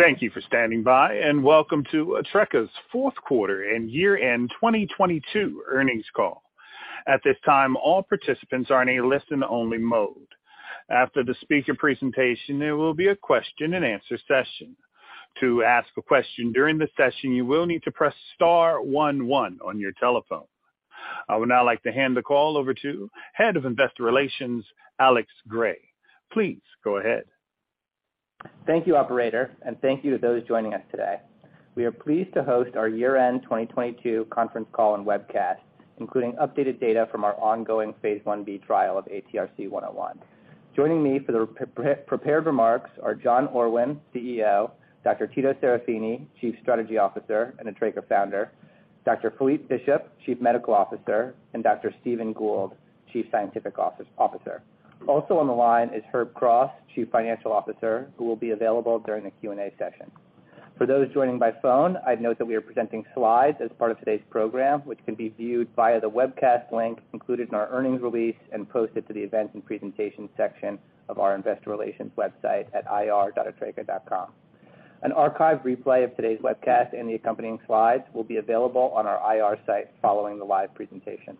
Thank you for standing by, and welcome to Atreca's fourth quarter and year-end 2022 earnings call. At this time, all participants are in a listen-only mode. After the speaker presentation, there will be a question-and-answer session. To ask a question during the session, you will need to press star one one on your telephone. I would now like to hand the call over to Head of Investor Relations, Alex Gray. Please go ahead. Thank you, operator, and thank you to those joining us today. We are pleased to host our year-end 2022 conference call and webcast, including updated data from our ongoing phase 1b trial of ATRC-101. Joining me for the pre-prepared remarks are John Orwin, CEO, Dr. Tito Serafini, Chief Strategy Officer and Atreca Founder, Dr. Philippe Bishop, Chief Medical Officer, and Dr. Stephen Gould, Chief Scientific Officer. Also on the line is Herb Cross, Chief Financial Officer, who will be available during the Q&A session. For those joining by phone, I'd note that we are presenting slides as part of today's program, which can be viewed via the webcast link included in our earnings release and posted to the events and presentations section of our investor relations website at ir.atreca.com. An archive replay of today's webcast and the accompanying slides will be available on our IR site following the live presentation.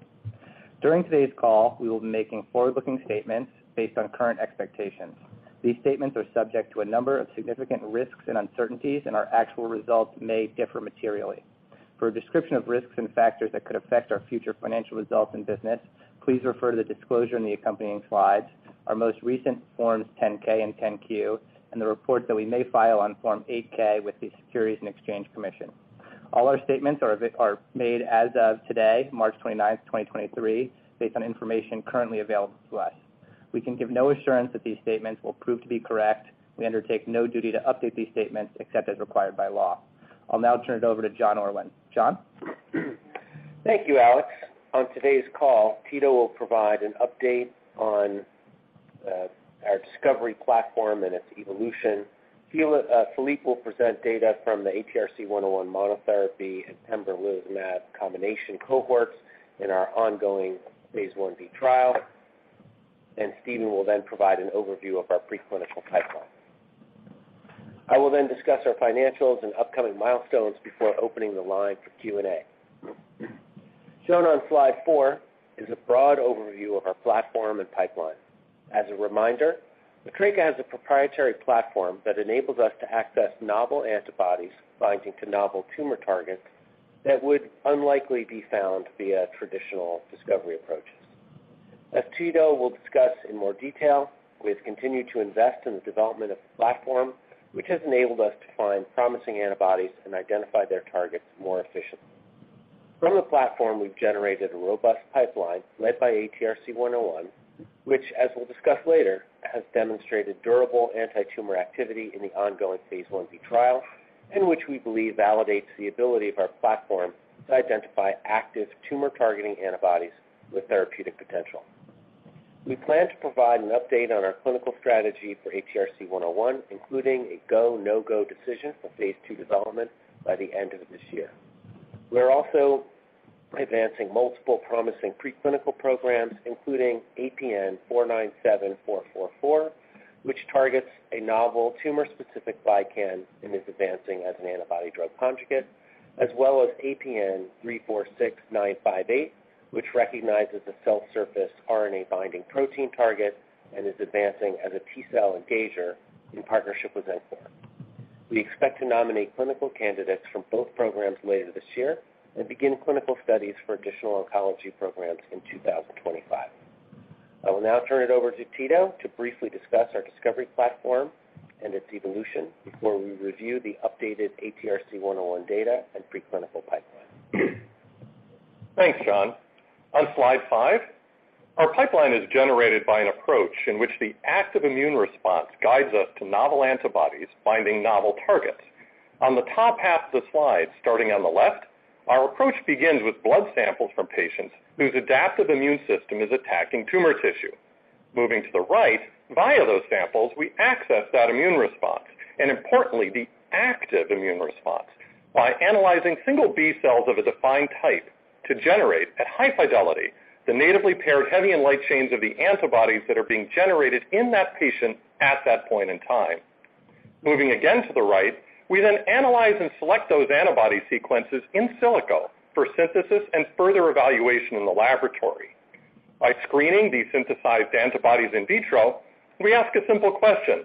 During today's call, we will be making forward-looking statements based on current expectations. These statements are subject to a number of significant risks and uncertainties, and our actual results may differ materially. For a description of risks and factors that could affect our future financial results and business, please refer to the disclosure in the accompanying slides, our most recent Forms 10-K and 10-Q, and the report that we may file on Form 8-K with the Securities and Exchange Commission. All our statements are made as of today, March 29th, 2023, based on information currently available to us. We can give no assurance that these statements will prove to be correct. We undertake no duty to update these statements except as required by law. I'll now turn it over to John Orwin. John? Thank you, Alex. On today's call, Tito will provide an update on our discovery platform and its evolution. Philippe will present data from the ATRC-101 monotherapy and pembrolizumab combination cohorts in our ongoing phase 1b trial. Stephen will then provide an overview of our preclinical pipeline. I will then discuss our financials and upcoming milestones before opening the line for Q&A. Shown on slide four is a broad overview of our platform and pipeline. As a reminder, Atreca has a proprietary platform that enables us to access novel antibodies binding to novel tumor targets that would unlikely be found via traditional discovery approaches. As Tito will discuss in more detail, we have continued to invest in the development of the platform, which has enabled us to find promising antibodies and identify their targets more efficiently. From the platform, we've generated a robust pipeline led by ATRC-101, which, as we'll discuss later, has demonstrated durable antitumor activity in the ongoing phase I trial and which we believe validates the ability of our platform to identify active tumor-targeting antibodies with therapeutic potential. We plan to provide an update on our clinical strategy for ATRC-101, including a go, no-go decision for phase II development by the end of this year. We are also advancing multiple promising preclinical programs, including APN-497444, which targets a novel tumor-specific glycan and is advancing as an antibody-drug conjugate, as well as APN-346958, which recognizes a cell surface RNA-binding protein target and is advancing as a T-cell engager in partnership with Xencor. We expect to nominate clinical candidates from both programs later this year and begin clinical studies for additional oncology programs in 2025. I will now turn it over to Tito to briefly discuss our discovery platform and its evolution before we review the updated ATRC-101 data and preclinical pipeline. Thanks, John. On slide five, our pipeline is generated by an approach in which the active immune response guides us to novel antibodies binding novel targets. On the top half of the slide, starting on the left, our approach begins with blood samples from patients whose adaptive immune system is attacking tumor tissue. Moving to the right, via those samples, we access that immune response, and importantly, the active immune response by analyzing single B cells of a defined type to generate, at high fidelity, the natively paired heavy and light chains of the antibodies that are being generated in that patient at that point in time. Moving again to the right, we then analyze and select those antibody sequences in silico for synthesis and further evaluation in the laboratory. By screening these synthesized antibodies in vitro, we ask a simple question: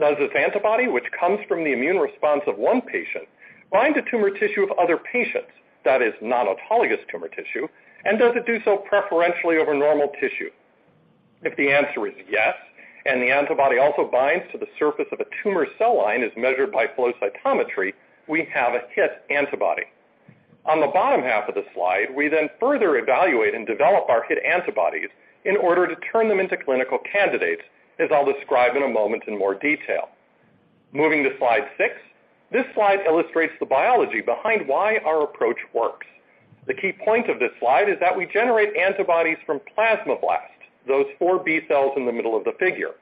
Does this antibody, which comes from the immune response of one patient, bind to tumor tissue of other patients that is not autologous tumor tissue, and does it do so preferentially over normal tissue? If the answer is yes and the antibody also binds to the surface of a tumor cell line as measured by flow cytometry, we have a hit antibody. On the bottom half of the slide, we then further evaluate and develop our hit antibodies in order to turn them into clinical candidates, as I'll describe in a moment in more detail. Moving to slide six. This slide illustrates the biology behind why our approach works. The key point of this slide is that we generate antibodies from plasmablasts, those four B cells in the middle of the figure.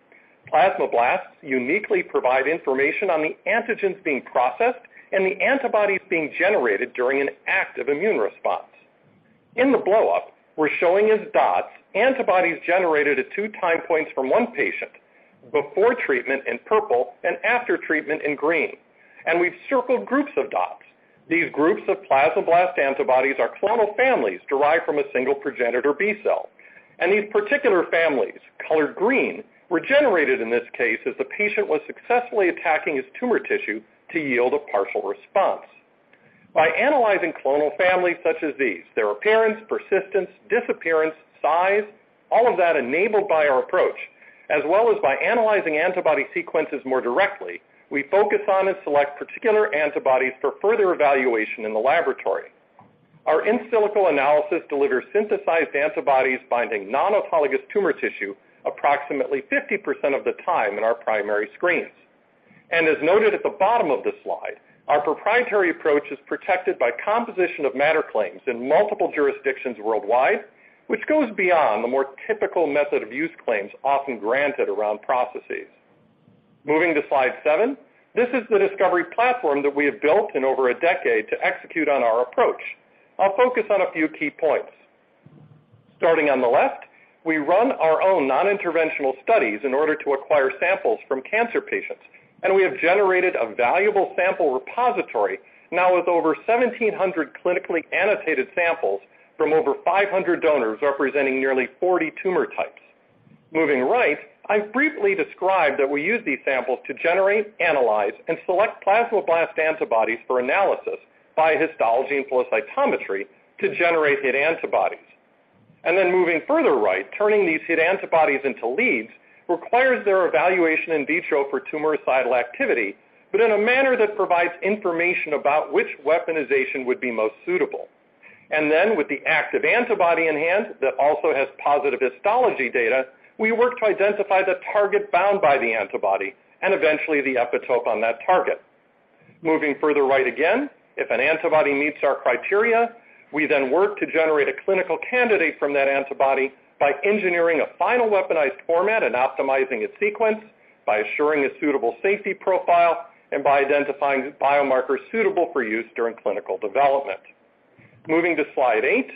Plasmablasts uniquely provide information on the antigens being processed and the antibodies being generated during an active immune response. In the blow up, we're showing as dots, antibodies generated at two time points from one patient before treatment in purple and after treatment in green. We've circled groups of dots. These groups of plasmablast antibodies are clonal families derived from a single progenitor B cell. These particular families, colored green, were generated in this case as the patient was successfully attacking his tumor tissue to yield a partial response. By analyzing clonal families such as these, their appearance, persistence, disappearance, size, all of that enabled by our approach, as well as by analyzing antibody sequences more directly, we focus on and select particular antibodies for further evaluation in the laboratory. Our in silico analysis delivers synthesized antibodies binding non-autologous tumor tissue approximately 50% of the time in our primary screens. As noted at the bottom of the slide, our proprietary approach is protected by composition of matter claims in multiple jurisdictions worldwide, which goes beyond the more typical method of use claims often granted around processes. Moving to slide seven. This is the discovery platform that we have built in over a decade to execute on our approach. I'll focus on a few key points. Starting on the left, we run our own non-interventional studies in order to acquire samples from cancer patients, and we have generated a valuable sample repository now with over 1,700 clinically annotated samples from over 500 donors representing nearly 40 tumor types. Moving right, I briefly described that we use these samples to generate, analyze, and select plasmablast antibodies for analysis via histology and flow cytometry to generate hit antibodies. Moving further right, turning these hit antibodies into leads requires their evaluation in vitro for tumoricidal activity, but in a manner that provides information about which weaponization would be most suitable. With the active antibody in hand that also has positive histology data, we work to identify the target bound by the antibody and eventually the epitope on that target. Moving further right again, if an antibody meets our criteria, we then work to generate a clinical candidate from that antibody by engineering a final weaponized format and optimizing its sequence by assuring a suitable safety profile and by identifying biomarkers suitable for use during clinical development. Moving to slide eight.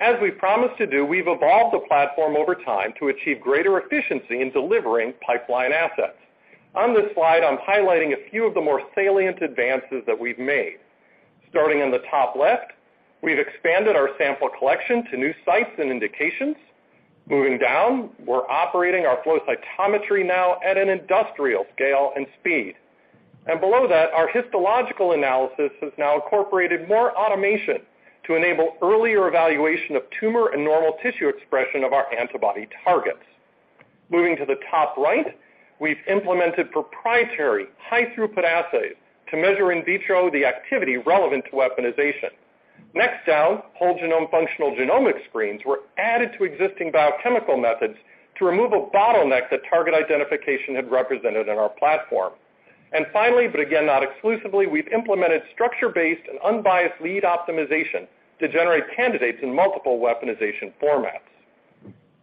As we promised to do, we've evolved the platform over time to achieve greater efficiency in delivering pipeline assets. On this slide, I'm highlighting a few of the more salient advances that we've made. Starting on the top left, we've expanded our sample collection to new sites and indications. Moving down, we're operating our flow cytometry now at an industrial scale and speed. Below that, our histological analysis has now incorporated more automation to enable earlier evaluation of tumor and normal tissue expression of our antibody targets. Moving to the top right, we've implemented proprietary high throughput assays to measure in vitro the activity relevant to weaponization. Next down, whole genome functional genomic screens were added to existing biochemical methods to remove a bottleneck that target identification had represented in our platform. Finally, but again, not exclusively, we've implemented structure-based and unbiased lead optimization to generate candidates in multiple weaponization formats.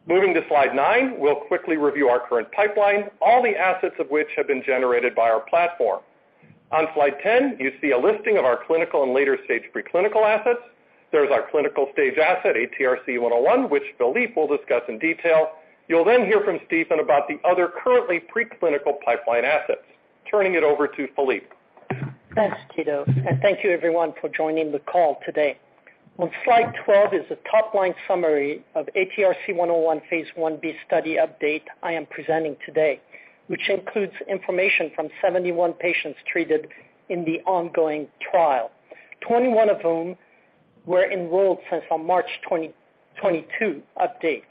Moving to slide nine, we'll quickly review our current pipeline, all the assets of which have been generated by our platform. On slide 10, you see a listing of our clinical and later-stage preclinical assets. There's our clinical stage asset, ATRC-101, which Philippe will discuss in detail. You'll hear from Stephen about the other currently preclinical pipeline assets. Turning it over to Philippe. Thanks, Tito, and thank you everyone for joining the call today. On slide 12 is a top-line summary of ATRC-101 phase 1b study update I am presenting today, which includes information from 71 patients treated in the ongoing trial, 21 of whom were enrolled since our March 2022 update.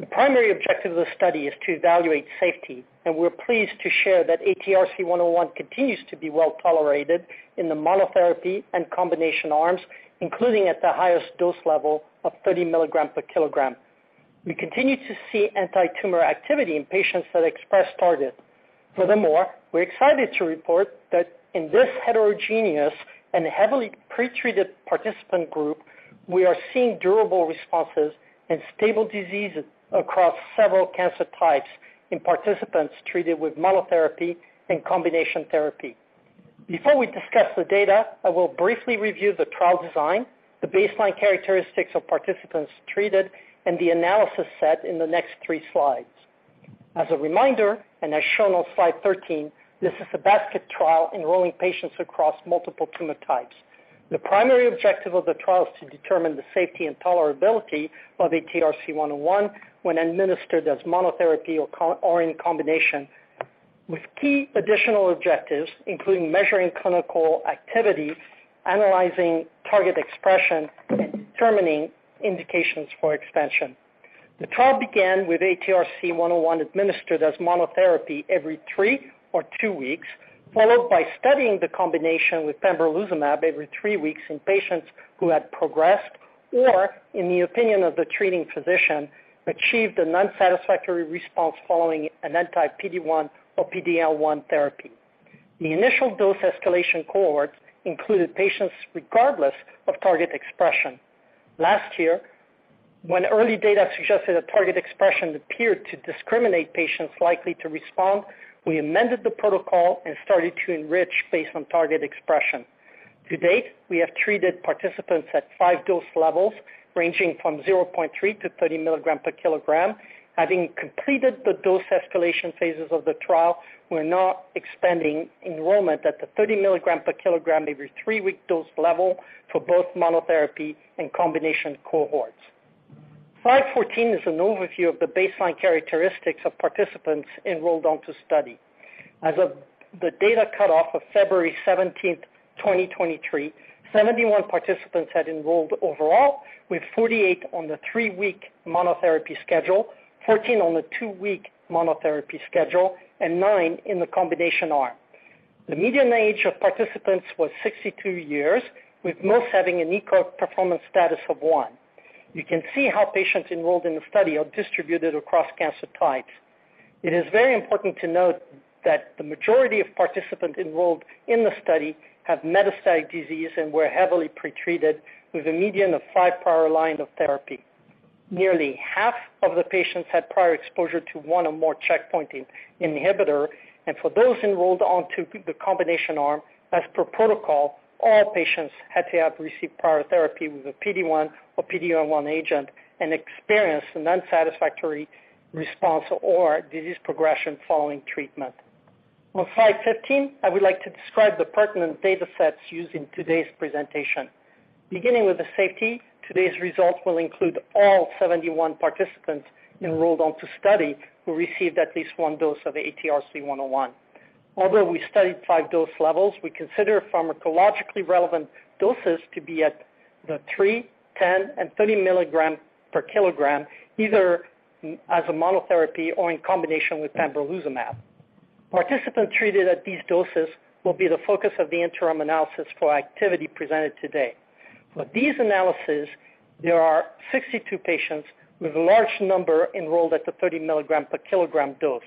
The primary objective of the study is to evaluate safety, and we're pleased to share that ATRC-101 continues to be well-tolerated in the monotherapy and combination arms, including at the highest dose level of 30 mg/kg. We continue to see antitumor activity in patients that express target. Furthermore, we're excited to report that in this heterogeneous and heavily pretreated participant group, we are seeing durable responses and stable disease across several cancer types in participants treated with monotherapy and combination therapy. Before we discuss the data, I will briefly review the trial design, the baseline characteristics of participants treated, and the analysis set in the next three slides. As a reminder, and as shown on slide 13, this is a basket trial enrolling patients across multiple tumor types. The primary objective of the trial is to determine the safety and tolerability of ATRC-101 when administered as monotherapy or in combination with key additional objectives, including measuring clinical activity, analyzing target expression, and determining indications for expansion. The trial began with ATRC-101 administered as monotherapy every three or two weeks, followed by studying the combination with pembrolizumab every three weeks in patients who had progressed or, in the opinion of the treating physician, achieved an unsatisfactory response following an anti PD-1 or PD-L1 therapy. The initial dose escalation cohort included patients regardless of target expression. When early data suggested that target expression appeared to discriminate patients likely to respond, we amended the protocol and started to enrich based on target expression. To date, we have treated participants at five dose levels ranging from 0.3 mg/kg to 30 mg/kg. Having completed the dose escalation phases of the trial, we're now expanding enrollment at the 30 mg/kg every three-week dose level for both monotherapy and combination cohorts. Slide 14 is an overview of the baseline characteristics of participants enrolled onto study. As of the data cut-off of February 17th, 2023, 71 participants had enrolled overall, with 48 on the three-week monotherapy schedule, 14 on the two-week monotherapy schedule, and nine in the combination arm. The median age of participants was 62 years, with most having an ECOG performance status of one. You can see how patients enrolled in the study are distributed across cancer types. It is very important to note that the majority of participants enrolled in the study have metastatic disease and were heavily pretreated with a median of five prior line of therapy. Nearly half of the patients had prior exposure to one or more checkpoint inhibitor. For those enrolled onto the combination arm, as per protocol, all patients had to have received prior therapy with a PD-1 or PD-L1 agent and experienced an unsatisfactory response or disease progression following treatment. On slide 15, I would like to describe the pertinent data sets used in today's presentation. Beginning with the safety, today's results will include all 71 participants enrolled onto study who received at least one dose of ATRC-101. Although we studied five dose levels, we consider pharmacologically relevant doses to be at the 3, 10, and 30 mg/kg, either m-as a monotherapy or in combination with pembrolizumab. Participants treated at these doses will be the focus of the interim analysis for activity presented today. For these analysis, there are 62 patients with a large number enrolled at the 30 mg/kg dose.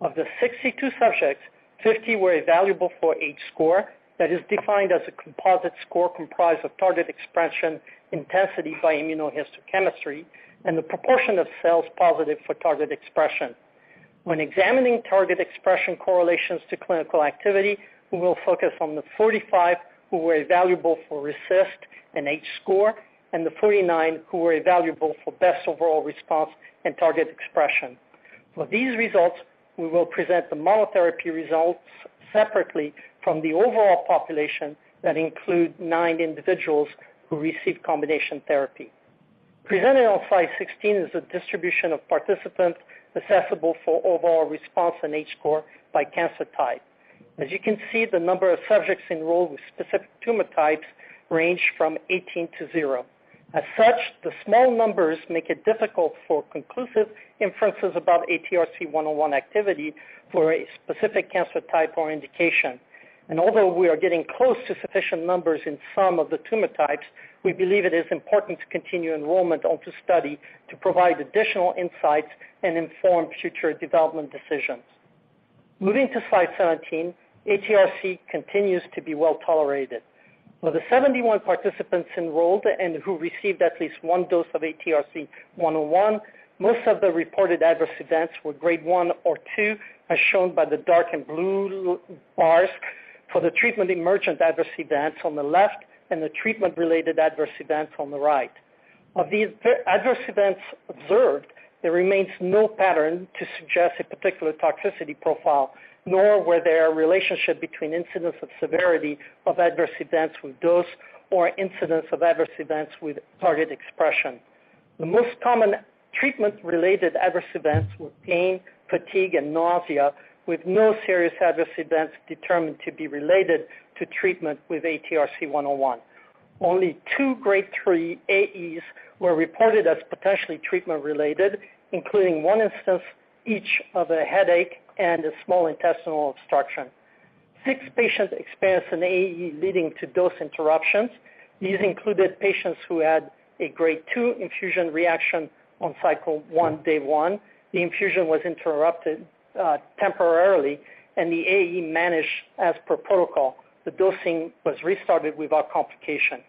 Of the 62 subjects, 50 were evaluable for H-score. That is defined as a composite score comprised of target expression intensity by immunohistochemistry and the proportion of cells positive for target expression. When examining target expression correlations to clinical activity, we will focus on the 45 who were evaluable for RECIST and H-score, and the 49 who were evaluable for best overall response and target expression. For these results, we will present the monotherapy results separately from the overall population that include 9 individuals who received combination therapy. Presented on slide 16 is a distribution of participants assessable for overall response and H-score by cancer type. As you can see, the number of subjects enrolled with specific tumor types range from 18 to 0. As such, the small numbers make it difficult for conclusive inferences about ATRC-101 activity for a specific cancer type or indication. Although we are getting close to sufficient numbers in some of the tumor types, we believe it is important to continue enrollment onto study to provide additional insights and inform future development decisions. Moving to slide 17, ATRC continues to be well-tolerated. Of the 71 participants enrolled and who received at least one dose of ATRC-101, most of the reported adverse events were grade 1 or 2, as shown by the dark and blue light blue bars for the treatment emergent adverse events on the left and the treatment-related adverse events on the right. Of these adverse events observed, there remains no pattern to suggest a particular toxicity profile, nor were there a relationship between incidence of severity of adverse events with dose or incidence of adverse events with target expression. The most common treatment-related adverse events were pain, fatigue, and nausea, with no serious adverse events determined to be related to treatment with ATRC-101. Only two grade 3 AEs were reported as potentially treatment related, including 1 instance each of a headache and a small intestinal obstruction. Six patients experienced an AE leading to dose interruptions. These included patients who had a grade 2 infusion reaction on cycle 1, day 1. The infusion was interrupted, temporarily and the AE managed as per protocol. The dosing was restarted without complication.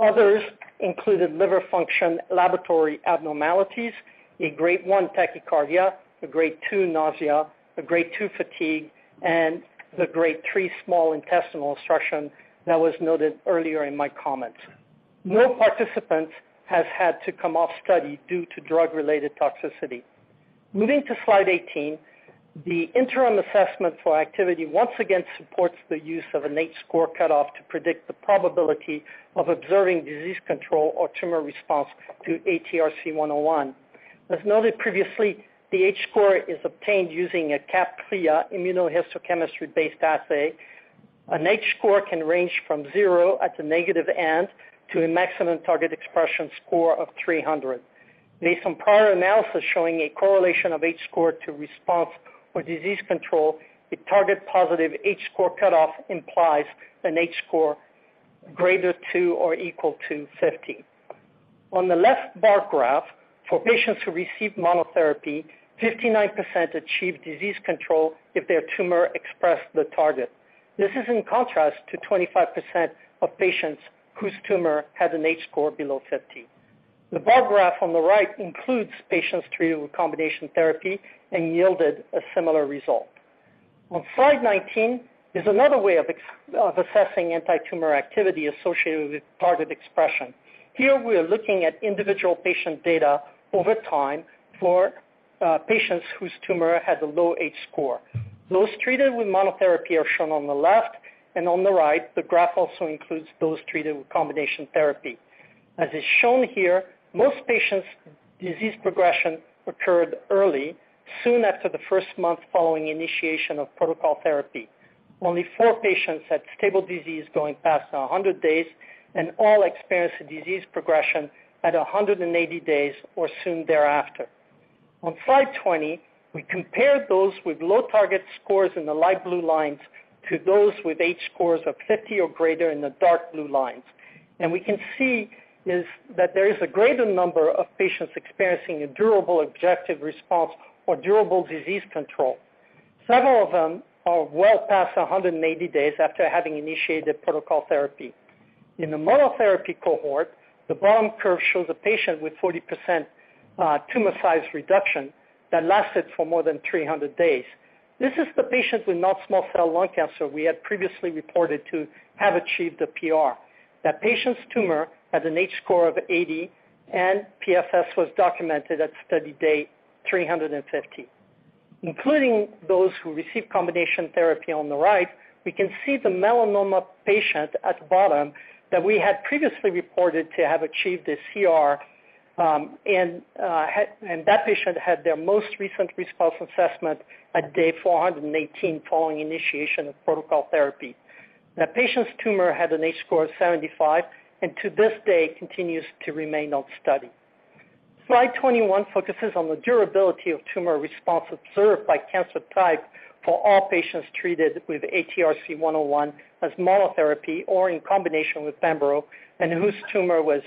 Others included liver function laboratory abnormalities, a grade 1 tachycardia, a grade 2 nausea, a grade 2 fatigue, and the grade 3 small intestinal obstruction that was noted earlier in my comments. No participant has had to come off study due to drug-related toxicity. Moving to slide 18, the interim assessment for activity once again supports the use of an H-score cutoff to predict the probability of observing disease control or tumor response to ATRC-101. As noted previously, the H-score is obtained using a Capria immunohistochemistry-based assay. An H-score can range from 0 at the negative end to a maximum target expression score of 300. Based on prior analysis showing a correlation of H-score to response or disease control, a target positive H-score cutoff implies an H-score greater to or equal to 50. On the left bar graph, for patients who received monotherapy, 59% achieved disease control if their tumor expressed the target. This is in contrast to 25% of patients whose tumor had an H-score below 50. The bar graph on the right includes patients treated with combination therapy and yielded a similar result. On slide 19 is another way of assessing antitumor activity associated with target expression. Here we are looking at individual patient data over time for patients whose tumor has a low H-score. Those treated with monotherapy are shown on the left and on the right the graph also includes those treated with combination therapy. As is shown here, most patients' disease progression occurred early, soon after the first month following initiation of protocol therapy. Only four patients had stable disease going past 100 days, and all experienced a disease progression at 180 days or soon thereafter. On slide 20, we compared those with low target scores in the light blue lines to those with H-scores of 50 or greater in the dark blue lines. We can see is that there is a greater number of patients experiencing a durable objective response or durable disease control. Several of them are well past 180 days after having initiated protocol therapy. In the monotherapy cohort, the bottom curve shows a patient with 40% tumor size reduction that lasted for more than 300 days. This is the patient with non-small cell lung cancer we had previously reported to have achieved a PR. That patient's tumor had an H-score of 80, and PFS was documented at study day 350. Including those who received combination therapy on the right, we can see the melanoma patient at the bottom that we had previously reported to have achieved a CR, and that patient had their most recent response assessment at day 418 following initiation of protocol therapy. That patient's tumor had an H-score of 75, and to this day continues to remain on study. Slide 21 focuses on the durability of tumor response observed by cancer type for all patients treated with ATRC-101 as monotherapy or in combination with pembrolizumab, and whose tumor was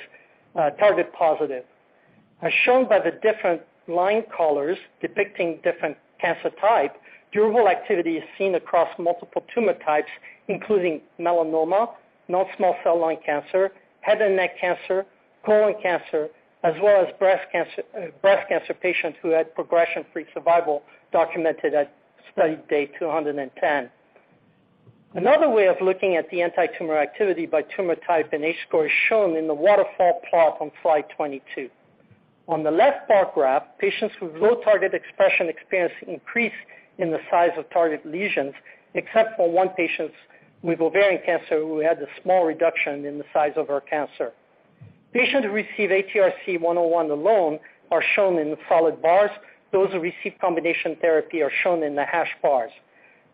target-positive. As shown by the different line colors depicting different cancer type, durable activity is seen across multiple tumor types, including melanoma, non-small cell lung cancer, head and neck cancer, colon cancer, as well as breast cancer patients who had progression-free survival documented at study day 210. Another way of looking at the antitumor activity by tumor type and H-score is shown in the waterfall plot on slide 22. On the left bar graph, patients with low target expression experience increase in the size of target lesions, except for one patient with ovarian cancer who had a small reduction in the size of her cancer. Patients who receive ATRC-101 alone are shown in the solid bars. Those who receive combination therapy are shown in the hash bars.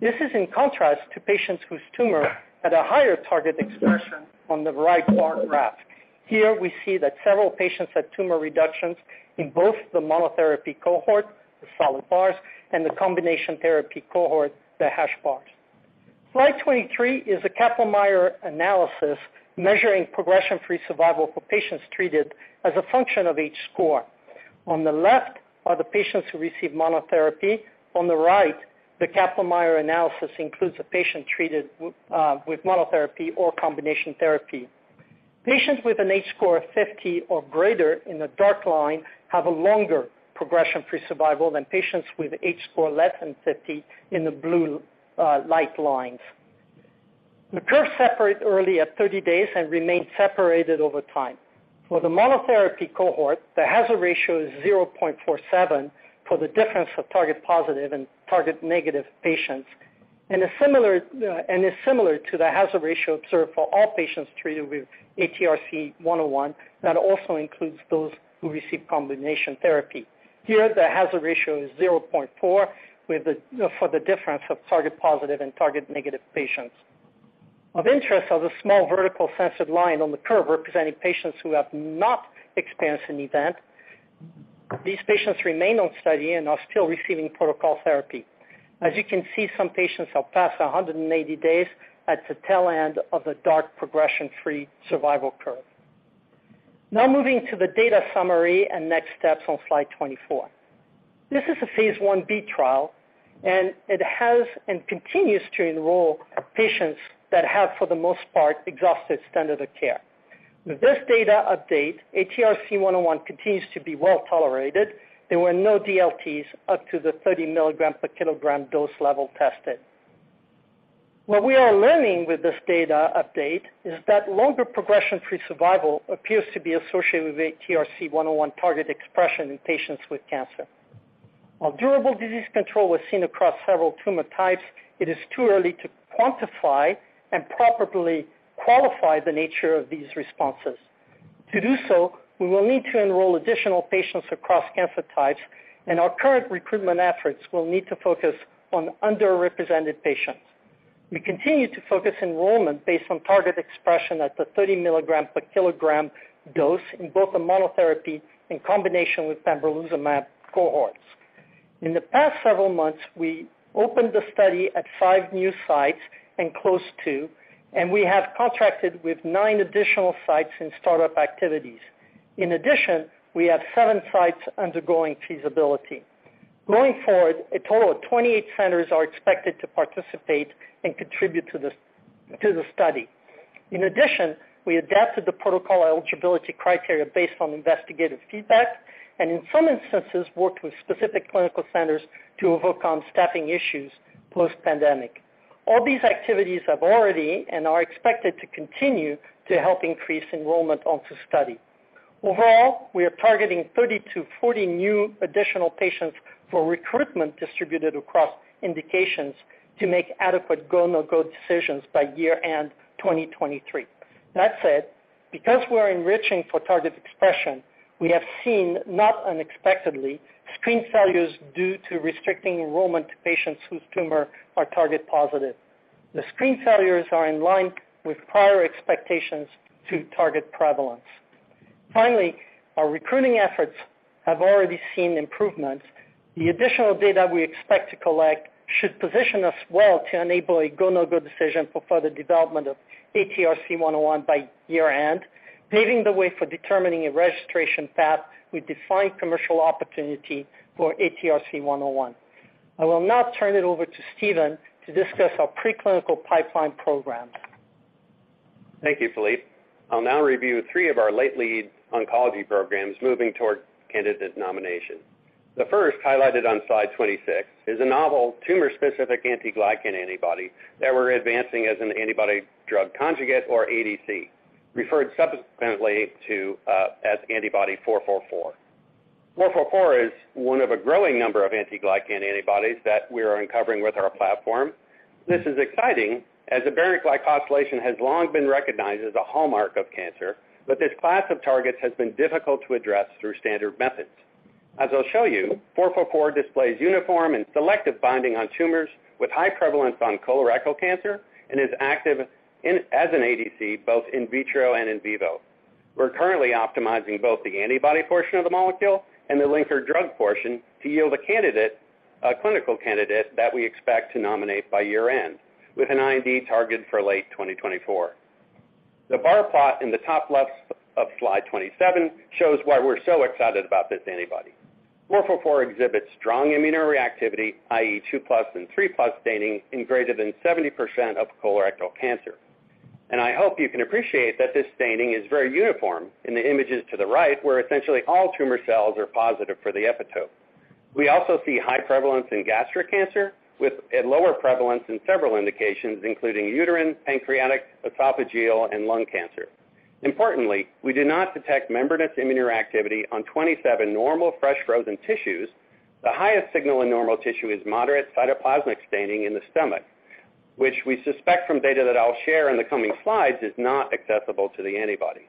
This is in contrast to patients whose tumor had a higher target expression on the right bar graph. Here we see that several patients had tumor reductions in both the monotherapy cohort, the solid bars, and the combination therapy cohort, the hash bars. Slide 23 is a Kaplan-Meier analysis measuring progression-free survival for patients treated as a function of H-score. On the left are the patients who receive monotherapy. On the right, the Kaplan-Meier analysis includes a patient treated with monotherapy or combination therapy. Patients with an H-score of 50 or greater in the dark line have a longer progression-free survival than patients with H-score less than 50 in the blue, light lines. The curves separate early at 30 days and remain separated over time. For the monotherapy cohort, the hazard ratio is 0.47 for the difference of target positive and target negative patients, and is similar to the hazard ratio observed for all patients treated with ATRC-101 that also includes those who receive combination therapy. Here, the hazard ratio is 0.4 for the difference of target positive and target negative patients. Of interest are the small vertical censored line on the curve representing patients who have not experienced an event. These patients remain on study and are still receiving protocol therapy. As you can see, some patients are past 180 days at the tail end of the dark progression-free survival curve. Moving to the data summary and next steps on slide 24. This is a phase 1b trial. It has and continues to enroll patients that have, for the most part, exhausted standard of care. With this data update, ATRC-101 continues to be well-tolerated. There were no DLTs up to the 30 mg/kg dose level tested. What we are learning with this data update is that longer progression-free survival appears to be associated with ATRC-101 target expression in patients with cancer. While durable disease control was seen across several tumor types, it is too early to quantify and properly qualify the nature of these responses. To do so, we will need to enroll additional patients across cancer types, and our current recruitment efforts will need to focus on underrepresented patients. We continue to focus enrollment based on target expression at the 30 mg/kg dose in both the monotherapy and combination with pembrolizumab cohorts. In the past several months, we opened the study at five new sites and closed two, and we have contracted with nine additional sites in startup activities. In addition, we have seven sites undergoing feasibility. Going forward, a total of 28 centers are expected to participate and contribute to the study. In addition, we adapted the protocol eligibility criteria based on investigative feedback and in some instances, worked with specific clinical centers to overcome staffing issues post-pandemic. All these activities have already and are expected to continue to help increase enrollment onto study. Overall, we are targeting 30 to 40 new additional patients for recruitment distributed across indications to make adequate go/no-go decisions by year-end 2023. That said, because we are enriching for target expression, we have seen, not unexpectedly, screen failures due to restricting enrollment to patients whose tumor are target positive. The screen failures are in line with prior expectations to target prevalence. Finally, our recruiting efforts have already seen improvements. The additional data we expect to collect should position us well to enable a go/no-go decision for further development of ATRC-101 by year-end, paving the way for determining a registration path with defined commercial opportunity for ATRC-101. I will now turn it over to Stephen to discuss our preclinical pipeline program. Thank you, Philippe. I'll now review three of our late lead oncology programs moving toward candidate nomination. The first, highlighted on slide 26, is a novel tumor-specific anti-glycan antibody that we're advancing as an antibody-drug conjugate or ADC, referred subsequently to as antibody 444. 444 is one of a growing number of anti-glycan antibodies that we are uncovering with our platform. This is exciting as aberrant glycosylation has long been recognized as a hallmark of cancer, but this class of targets has been difficult to address through standard methods. As I'll show you, 444 displays uniform and selective binding on tumors with high prevalence on colorectal cancer and is active as an ADC, both in vitro and in vivo. We're currently optimizing both the antibody portion of the molecule and the linker drug portion to yield a candidate, a clinical candidate that we expect to nominate by year-end with an IND target for late 2024. The bar plot in the top left of slide 27 shows why we're so excited about this antibody. 444 exhibits strong immunoreactivity, i.e. 2+ and 3+ staining in greater than 70% of colorectal cancer. I hope you can appreciate that this staining is very uniform in the images to the right, where essentially all tumor cells are positive for the epitope. We also see high prevalence in gastric cancer with a lower prevalence in several indications, including uterine, pancreatic, esophageal, and lung cancer. Importantly, we do not detect membranous immunoreactivity on 27 normal fresh frozen tissues. The highest signal in normal tissue is moderate cytoplasmic staining in the stomach, which we suspect from data that I'll share in the coming slides is not accessible to the antibody.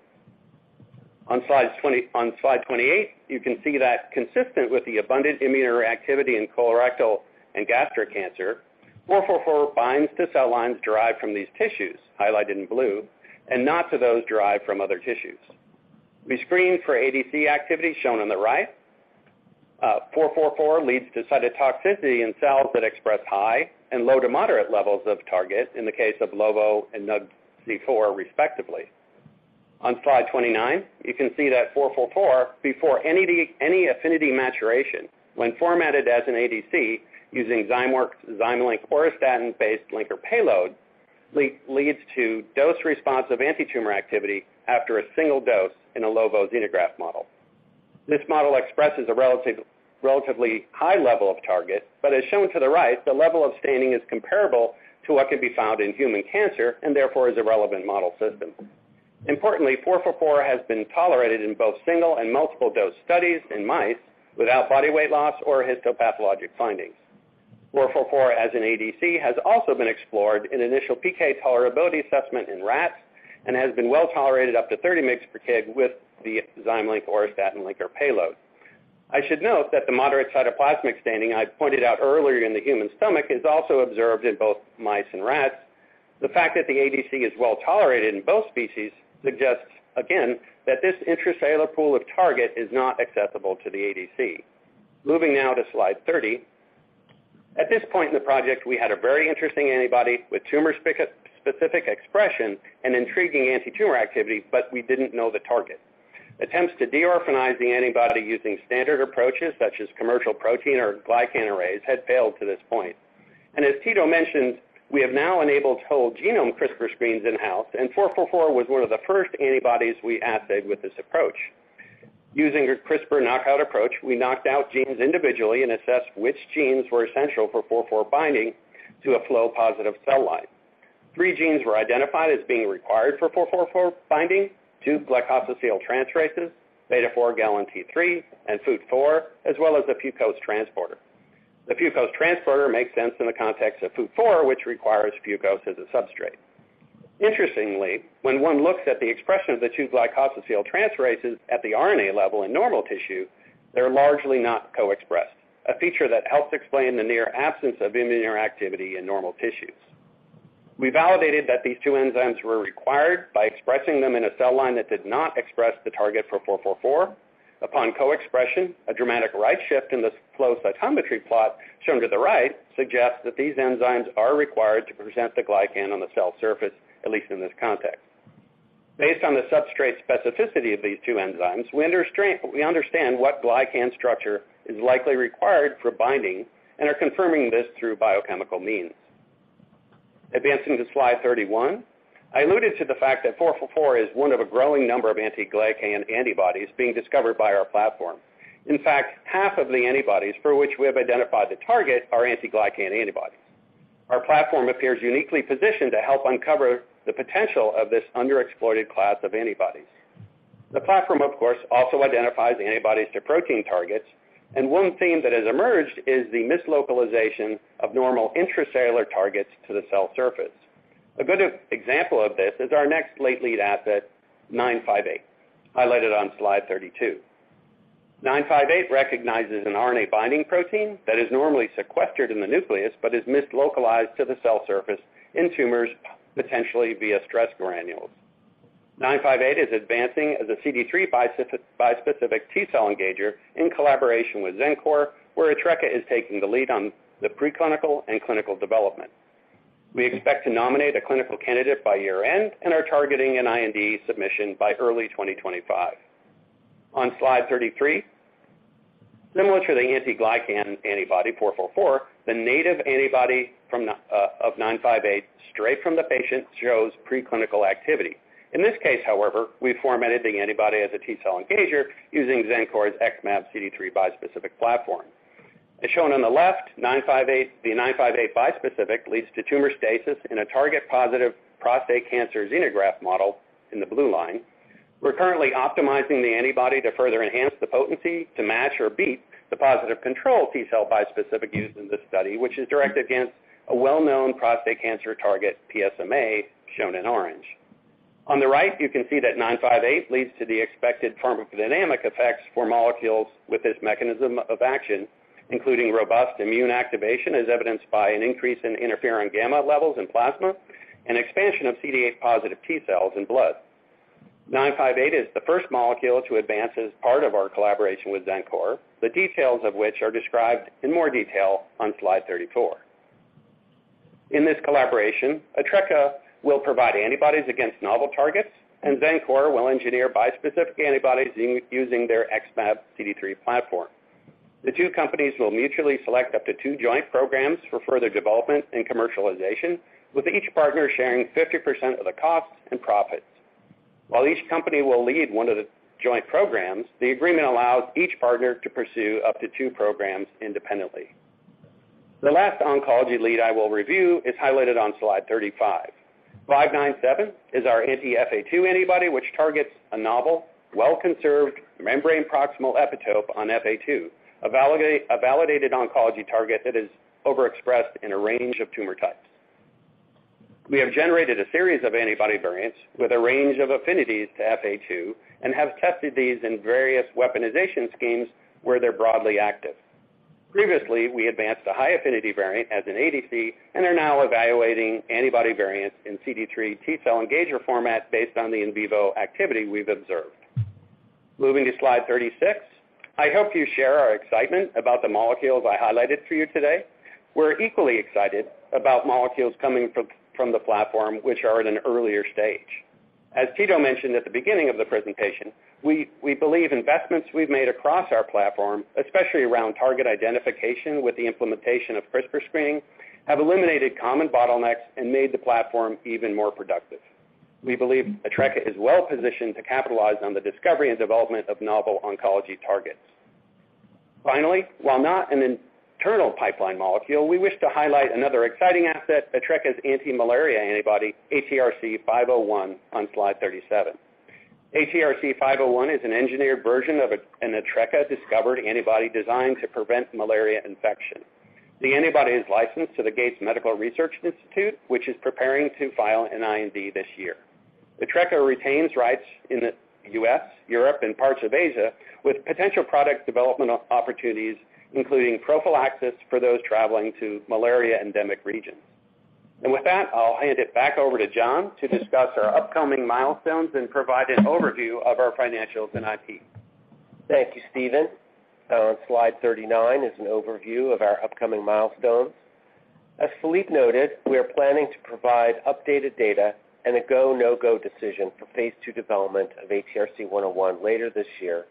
On slide 28, you can see that consistent with the abundant immunoreactivity in colorectal and gastric cancer, 444 binds to cell lines derived from these tissues, highlighted in blue, and not to those derived from other tissues. We screened for ADC activity shown on the right. 444 leads to cytotoxicity in cells that express high and low to moderate levels of target in the case of LoVo and NUGC-4 respectively. On slide 29, you can see that 444 before any affinity maturation when formatted as an ADC using ZymeLink auristatin-based linker payload leads to dose response of antitumor activity after a single dose in a LoVo xenograft model. This model expresses a relatively high level of target, but as shown to the right, the level of staining is comparable to what can be found in human cancer and therefore is a relevant model system. Importantly, 444 has been tolerated in both single and multiple dose studies in mice without body weight loss or histopathologic findings. 444 as an ADC has also been explored in initial PK tolerability assessment in rats and has been well tolerated up to 30 mg/kg with the ZymeLink auristatin linker payload. I should note that the moderate cytoplasmic staining I pointed out earlier in the human stomach is also observed in both mice and rats. The fact that the ADC is well tolerated in both species suggests again that this intracellular pool of target is not accessible to the ADC. Moving now to slide 30. At this point in the project, we had a very interesting antibody with tumor-specific expression and intriguing antitumor activity, but we didn't know the target. Attempts to de-orphanize the antibody using standard approaches such as commercial protein or glycan arrays had failed to this point. As Tito mentioned, we have now enabled whole genome CRISPR screens in-house, and 444 was one of the first antibodies we assayed with this approach. Using a CRISPR knockout approach, we knocked out genes individually and assessed which genes were essential for 444 binding to a flow-positive cell line. Three genes were identified as being required for 444 binding, two glycosyltransferases, B4GALNT3, and FUT4, as well as the fucose transporter. The fucose transporter makes sense in the context of FUT4, which requires fucose as a substrate. Interestingly, when one looks at the expression of the two glycosyltransferases at the RNA level in normal tissue, they're largely not co-expressed, a feature that helps explain the near absence of immunoreactivity in normal tissues. We validated that these two enzymes were required by expressing them in a cell line that did not express the target for 444. Upon co-expression, a dramatic right shift in this flow cytometry plot shown to the right suggests that these enzymes are required to present the glycan on the cell surface, at least in this context. Based on the substrate specificity of these two enzymes, we understand what glycan structure is likely required for binding and are confirming this through biochemical means. Advancing to slide 31, I alluded to the fact that 444 is one of a growing number of anti-glycan antibodies being discovered by our platform. In fact, half of the antibodies for which we have identified the target are anti-glycan antibodies. Our platform appears uniquely positioned to help uncover the potential of this underexploited class of antibodies. The platform, of course, also identifies antibodies to protein targets, and one theme that has emerged is the mislocalization of normal intracellular targets to the cell surface. A good example of this is our next late lead asset, 958, highlighted on slide 32. 958 recognizes an RNA-binding protein that is normally sequestered in the nucleus but is mislocalized to the cell surface in tumors, potentially via stress granules. 958 is advancing as a CD3 bispecific T-cell engager in collaboration with Xencor, where Atreca is taking the lead on the preclinical and clinical development. We expect to nominate a clinical candidate by year-end and are targeting an IND submission by early 2025. On slide 33, similar to the anti-glycan antibody 444, the native antibody of 958 straight from the patient shows preclinical activity. In this case, however, we've formatted the antibody as a T-cell engager using Xencor's XmAb CD3 bispecific platform. As shown on the left, 958... The 958 bispecific leads to tumor stasis in a target-positive prostate cancer xenograft model in the blue line. We're currently optimizing the antibody to further enhance the potency to match or beat the positive control T-cell bispecific used in this study, which is directed against a well-known prostate cancer target, PSMA, shown in orange. On the right, you can see that 958 leads to the expected pharmacodynamic effects for molecules with this mechanism of action, including robust immune activation, as evidenced by an increase in interferon gamma levels in plasma, and expansion of CD8 positive T-cells in blood. 958 is the first molecule to advance as part of our collaboration with Xencor, the details of which are described in more detail on slide 34. In this collaboration, Atreca will provide antibodies against novel targets, and Xencor will engineer bispecific antibodies using their XmAb CD3 platform. The two companies will mutually select up to two joint programs for further development and commercialization, with each partner sharing 50% of the costs and profits. While each company will lead one of the joint programs, the agreement allows each partner to pursue up to two programs independently. The last oncology lead I will review is highlighted on slide 35. 597 is our anti-EphA2 antibody, which targets a novel, well-conserved membrane-proximal epitope on EphA2, a validated oncology target that is overexpressed in a range of tumor types. We have generated a series of antibody variants with a range of affinities to EphA2 and have tested these in various weaponization schemes where they're broadly active. Previously, we advanced a high-affinity variant as an ADC and are now evaluating antibody variants in CD3 T-cell engager format based on the in vivo activity we've observed. Moving to slide 36, I hope you share our excitement about the molecules I highlighted for you today. We're equally excited about molecules coming from the platform which are at an earlier stage. As Tito mentioned at the beginning of the presentation, we believe investments we've made across our platform, especially around target identification with the implementation of CRISPR screening, have eliminated common bottlenecks and made the platform even more productive. We believe Atreca is well positioned to capitalize on the discovery and development of novel oncology targets. While not an internal pipeline molecule, we wish to highlight another exciting asset, Atreca's anti-malaria antibody, ATRC-501 on slide 37. ATRC-501 is an engineered version of an Atreca-discovered antibody designed to prevent malaria infection. The antibody is licensed to the Gates Medical Research Institute, which is preparing to file an IND this year. Atreca retains rights in the U.S., Europe, and parts of Asia, with potential product development opportunities, including prophylaxis for those traveling to malaria-endemic regions. With that, I'll hand it back over to John to discuss our upcoming milestones and provide an overview of our financials and IP. Thank you, Stephen. On slide 39 is an overview of our upcoming milestones. As Philippe noted, we are planning to provide updated data and a go, no-go decision for phase II development of ATRC-101 later this year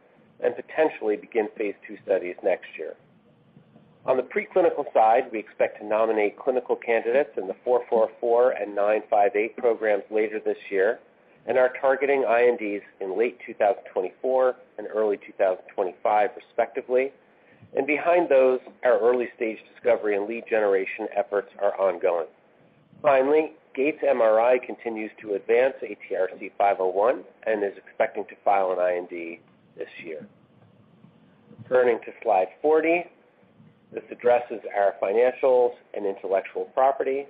and potentially begin phase II studies next year. On the preclinical side, we expect to nominate clinical candidates in the 444 and 958 programs later this year and are targeting INDs in late 2024 and early 2025 respectively, and behind those, our early-stage discovery and lead generation efforts are ongoing. Gates MRI continues to advance ATRC-501 and is expecting to file an IND this year. Turning to slide 40, this addresses our financials and intellectual property.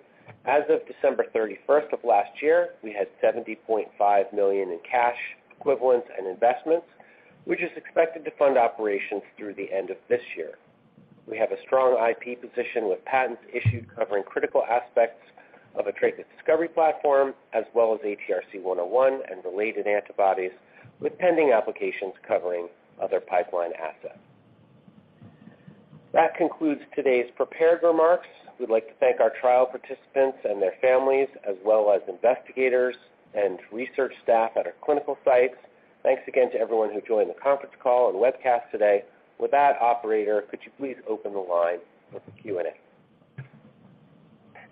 As of December 31st of last year, we had $70.5 million in cash equivalents and investments, which is expected to fund operations through the end of this year. We have a strong IP position with patents issued covering critical aspects of Atreca discovery platform as well as ATRC-101 and related antibodies with pending applications covering other pipeline assets. That concludes today's prepared remarks. We'd like to thank our trial participants and their families, as well as investigators and research staff at our clinical sites. Thanks again to everyone who joined the conference call and webcast today. With that operator, could you please open the line for Q&A?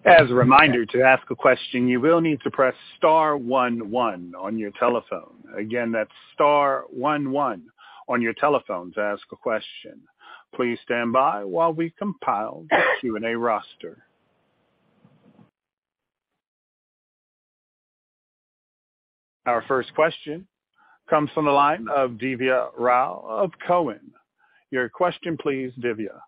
As a reminder, to ask a question, you will need to press star one one on your telephone. Again, that's star one one on your telephone to ask a question. Please stand by while we compile the Q&A roster. Our first question comes from the line of Divya Rao of Cowen. Your question please, Divya.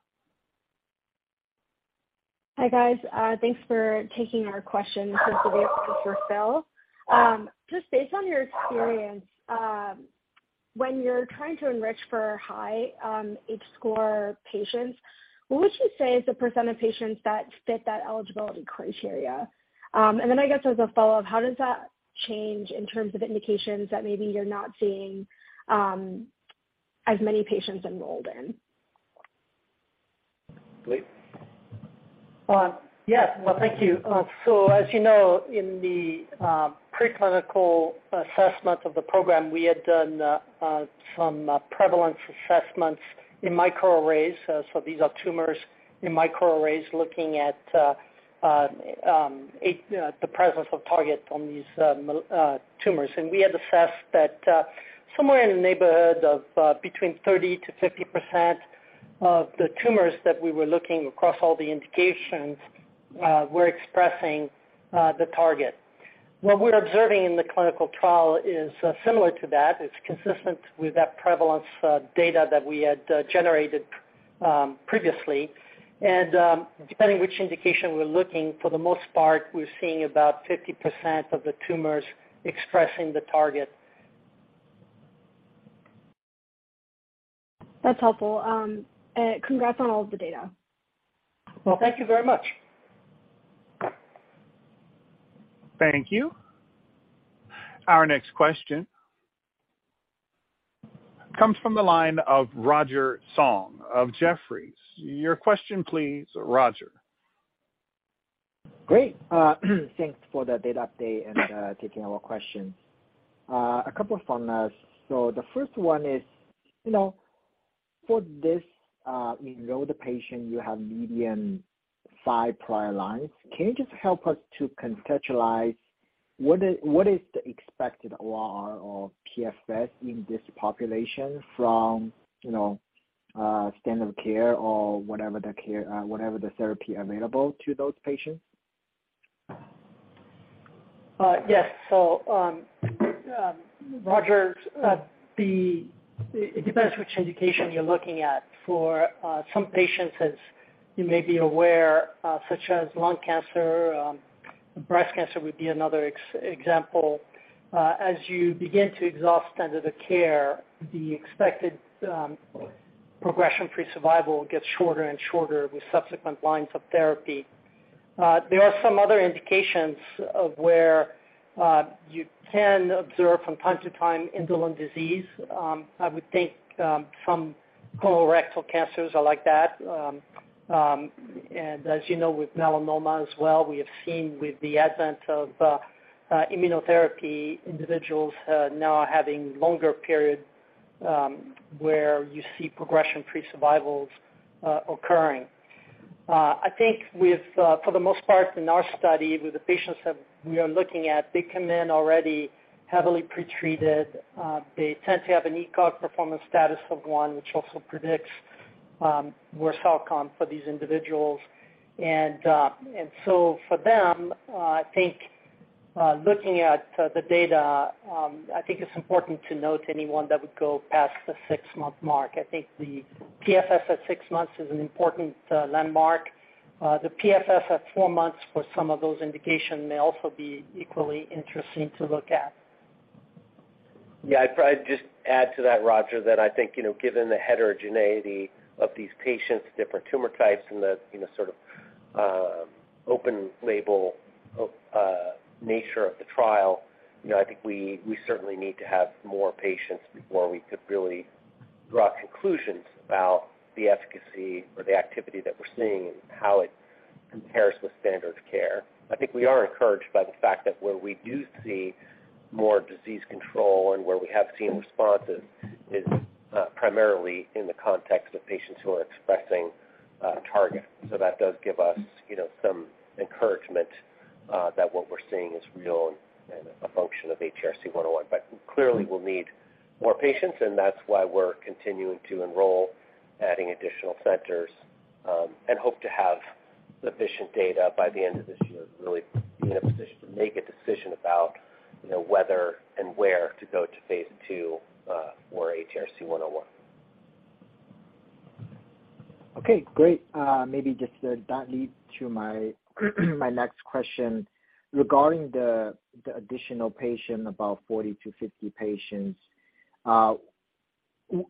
Hi, guys. Thanks for taking our questions. This is Divya with Cowen. Just based on your experience, when you're trying to enrich for high H-score patients, what would you say is the percent of patients that fit that eligibility criteria? I guess as a follow-up, how does that change in terms of indications that maybe you're not seeing as many patients enrolled in? Great. Yes. Well, thank you. As you know, in the preclinical assessment of the program, we had done some prevalence assessments in microarrays. These are tumors in microarrays looking at the presence of target on these tumors. We had assessed that somewhere in the neighborhood of between 30%-50% of the tumors that we were looking across all the indications were expressing the target. What we're observing in the clinical trial is similar to that. It's consistent with that prevalence data that we had generated previously. Depending which indication we're looking, for the most part, we're seeing about 50% of the tumors expressing the target. That's helpful. Congrats on all of the data. Well, thank you very much. Thank you. Our next question comes from the line of Roger Song of Jefferies. Your question, please, Roger. Great. Thanks for the data update and taking our questions. A couple from us. The first one is, you know, for this, you know the patient, you have median five prior lines. Can you just help us to conceptualize what is the expected OR or PFS in this population from standard care or whatever the care, whatever the therapy available to those patients? Yes. Roger, it depends which indication you're looking at. For some patients, as you may be aware, such as lung cancer, breast cancer would be another example. As you begin to exhaust standard of care, the expected progression-free survival gets shorter and shorter with subsequent lines of therapy. There are some other indications of where you can observe from time to time indolent disease. I would think some colorectal cancers are like that. As you know, with melanoma as well, we have seen with the advent of immunotherapy, individuals now are having longer period where you see progression-free survivals occurring. I think with for the most part in our study with the patients that we are looking at, they come in already heavily pretreated. They tend to have an ECOG performance status of one, which also predicts worse outcome for these individuals. For them, I think looking at the data, I think it's important to note anyone that would go past the six-month mark. I think the PFS at six months is an important landmark. The PFS at four months for some of those indication may also be equally interesting to look at. Yeah, I'd probably just add to that, Roger, that I think, you know, given the heterogeneity of these patients, different tumor types and the, you know, sort of, open label, nature of the trial, you know, I think we certainly need to have more patients before we could really draw conclusions about the efficacy or the activity that we're seeing and how it compares with standard of care. I think we are encouraged by the fact that where we do see more disease control and where we have seen responses is primarily in the context of patients who are expressing target. That does give us, you know, some encouragement that what we're seeing is real and a function of ATRC-101. Clearly we'll need more patients, and that's why we're continuing to enroll, adding additional centers, and hope to have sufficient data by the end of this year to really be in a position to make a decision about, you know, whether and where to go to phase II for ATRC-101. Okay, great. Maybe just that leads to my next question. Regarding the additional patient, about 40 to 50 patients.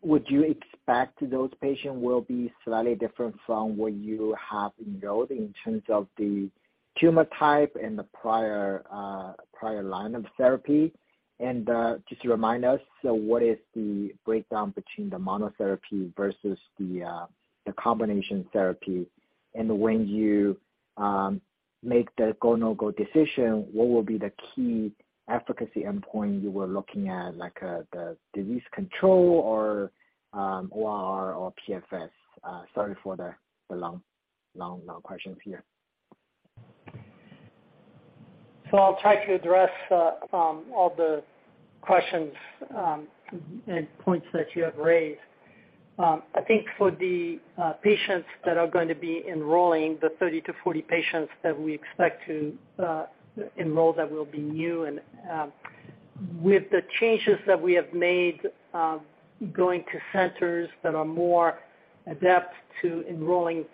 Would you expect those patients will be slightly different from what you have enrolled in terms of the tumor type and the prior line of therapy? Just to remind us, what is the breakdown between the monotherapy versus the combination therapy? When you make the go, no-go decision, what will be the key efficacy endpoint you were looking at, like, the disease control or OR or PFS? Sorry for the long questions here. I'll try to address all the questions and points that you have raised. I think for the patients that are going to be enrolling, the 30-40 patients that we expect to enroll that will be new and with the changes that we have made, going to centers that are more adept to enrolling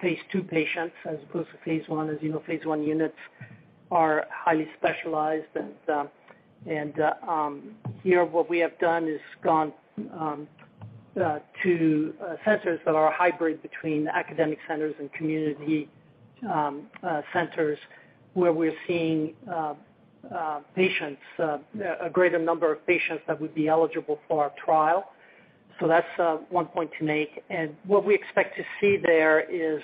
phase II patients as opposed to phase I. As you know, phase I units are highly specialized. Here what we have done is gone to centers that are a hybrid between academic centers and community centers, where we're seeing patients, a greater number of patients that would be eligible for our trial. That's one point to make. What we expect to see there is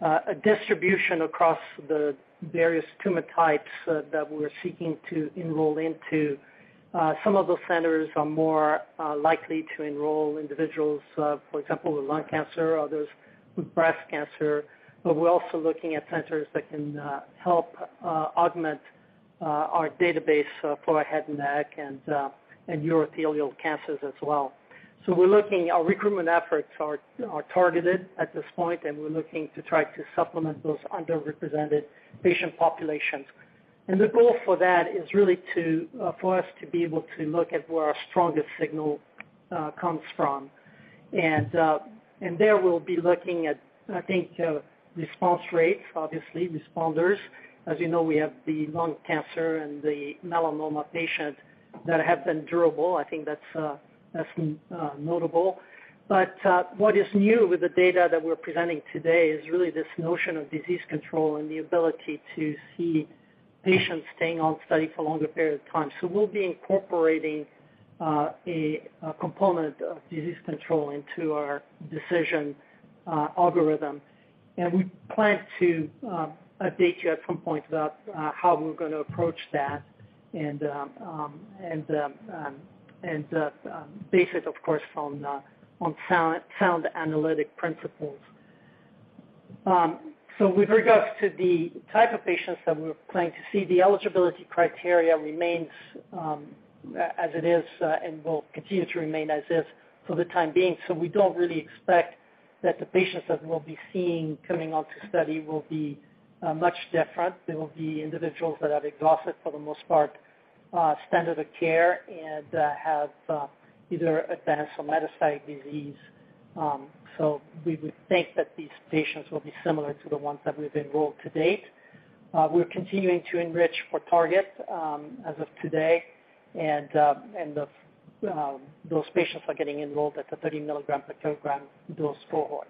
a distribution across the various tumor types that we're seeking to enroll into. Some of those centers are more likely to enroll individuals, for example, with lung cancer, others with breast cancer. We're also looking at centers that can help augment our database for head and neck and urothelial cancers as well. Our recruitment efforts are targeted at this point, and we're looking to try to supplement those underrepresented patient populations. The goal for that is really for us to be able to look at where our strongest signal comes from. There we'll be looking at, I think, response rates, obviously responders. As you know, we have the lung cancer and the melanoma patients that have been durable. I think that's notable. What is new with the data that we're presenting today is really this notion of disease control and the ability to see patients staying on study for longer period of time. We'll be incorporating a component of disease control into our decision algorithm. We plan to update you at some point about how we're gonna approach that and based of course on sound analytic principles. With regards to the type of patients that we're planning to see, the eligibility criteria remains as it is, and will continue to remain as is for the time being. We don't really expect that the patients that we'll be seeing coming onto study will be much different. They will be individuals that have exhausted, for the most part, standard of care and have either advanced or metastatic disease. We would think that these patients will be similar to the ones that we've enrolled to date. We're continuing to enrich for targets as of today. Those patients are getting enrolled at the 30 mg/kg dose cohort.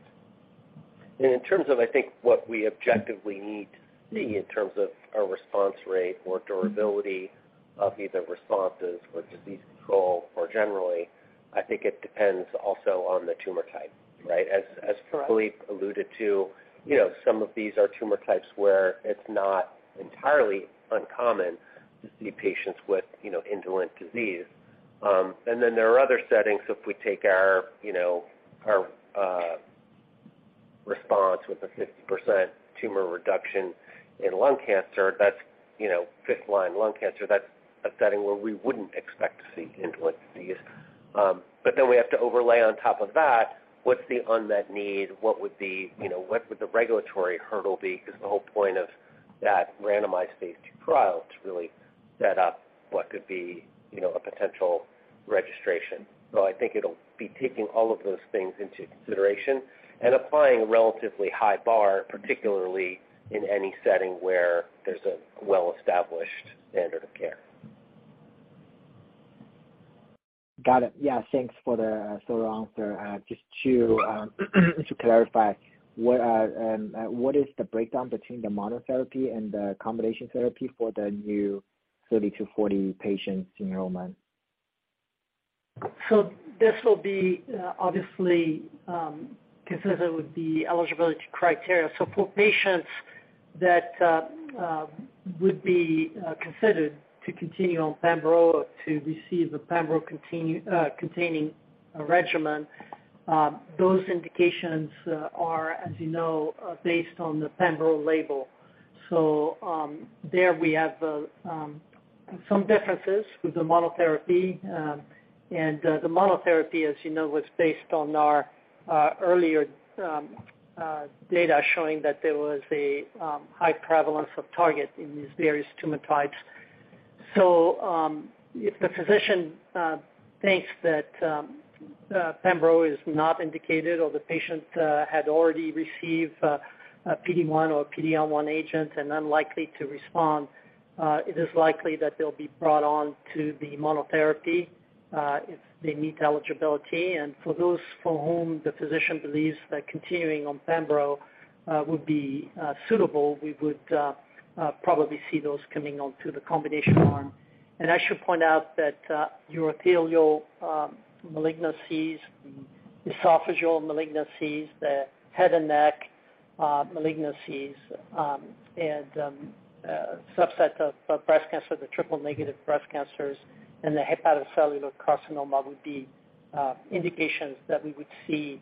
In terms of, I think, what we objectively need to see in terms of our response rate or durability of either responses for disease control or generally, I think it depends also on the tumor type, right? As Philippe alluded to, you know, some of these are tumor types where it's not entirely uncommon to see patients with, you know, indolent disease. Then there are other settings, if we take our, you know, our response with a 60% tumor reduction in lung cancer, that's, you know, 5th line lung cancer. That's a setting where we wouldn't expect to see indolent disease. Then we have to overlay on top of that, what's the unmet need? What would be, you know, what would the regulatory hurdle be? The whole point of that randomized phase II trial to really set up what could be, you know, a potential registration. I think it'll be taking all of those things into consideration and applying a relatively high bar, particularly in any setting where there's a well-established standard of care. Got it. Yeah, thanks for the thorough answer. Just to clarify, what is the breakdown between the monotherapy and the combination therapy for the new 30-40 patients enrollment? This will be, obviously, considered with the eligibility criteria. For patients that would be considered to continue on pembro or to receive a pembro containing regimen, those indications are, as you know, are based on the pembro label. There we have some differences with the monotherapy. The monotherapy, as you know, was based on our earlier data showing that there was a high prevalence of target in these various tumor types. If the physician, Thanks. That pembro is not indicated or the patient had already received a PD-1 or a PD-L1 agent and unlikely to respond. It is likely that they'll be brought on to the monotherapy if they meet eligibility. For those for whom the physician believes that continuing on pembro would be suitable, we would probably see those coming on to the combination arm. I should point out that urothelial malignancies, esophageal malignancies, the head and neck malignancies, and subset of breast cancer, the triple negative breast cancers, and the hepatocellular carcinoma would be indications that we would see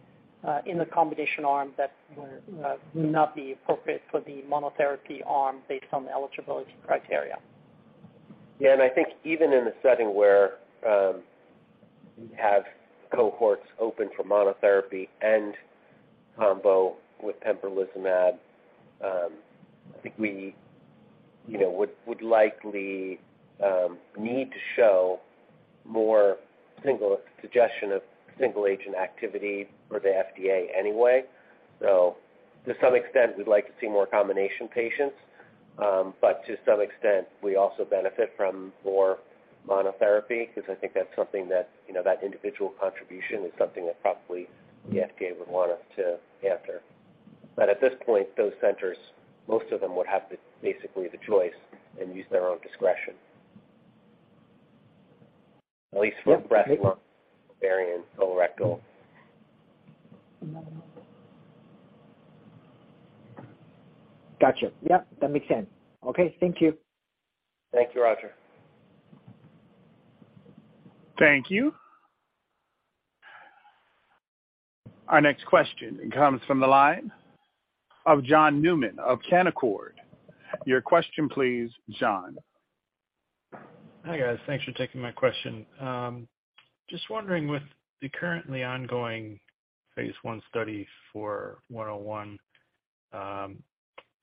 in the combination arm that would not be appropriate for the monotherapy arm based on the eligibility criteria. Yeah. I think even in a setting where we have cohorts open for monotherapy and combo with pembrolizumab, I think we, you know, would likely need to show more single suggestion of single agent activity for the FDA anyway. To some extent, we'd like to see more combination patients. To some extent, we also benefit from more monotherapy because I think that's something that, you know, that individual contribution is something that probably the FDA would want us to answer. At this point, those centers, most of them would have the, basically the choice and use their own discretion. At least for breast, lung, ovarian, colorectal. Gotcha. Yeah, that makes sense. Okay. Thank you. Thank you, Roger. Thank you. Our next question comes from the line of John Newman of Canaccord. Your question, please, John. Hi, guys. Thanks for taking my question. Just wondering, with the currently ongoing phase I study for ATRC-101,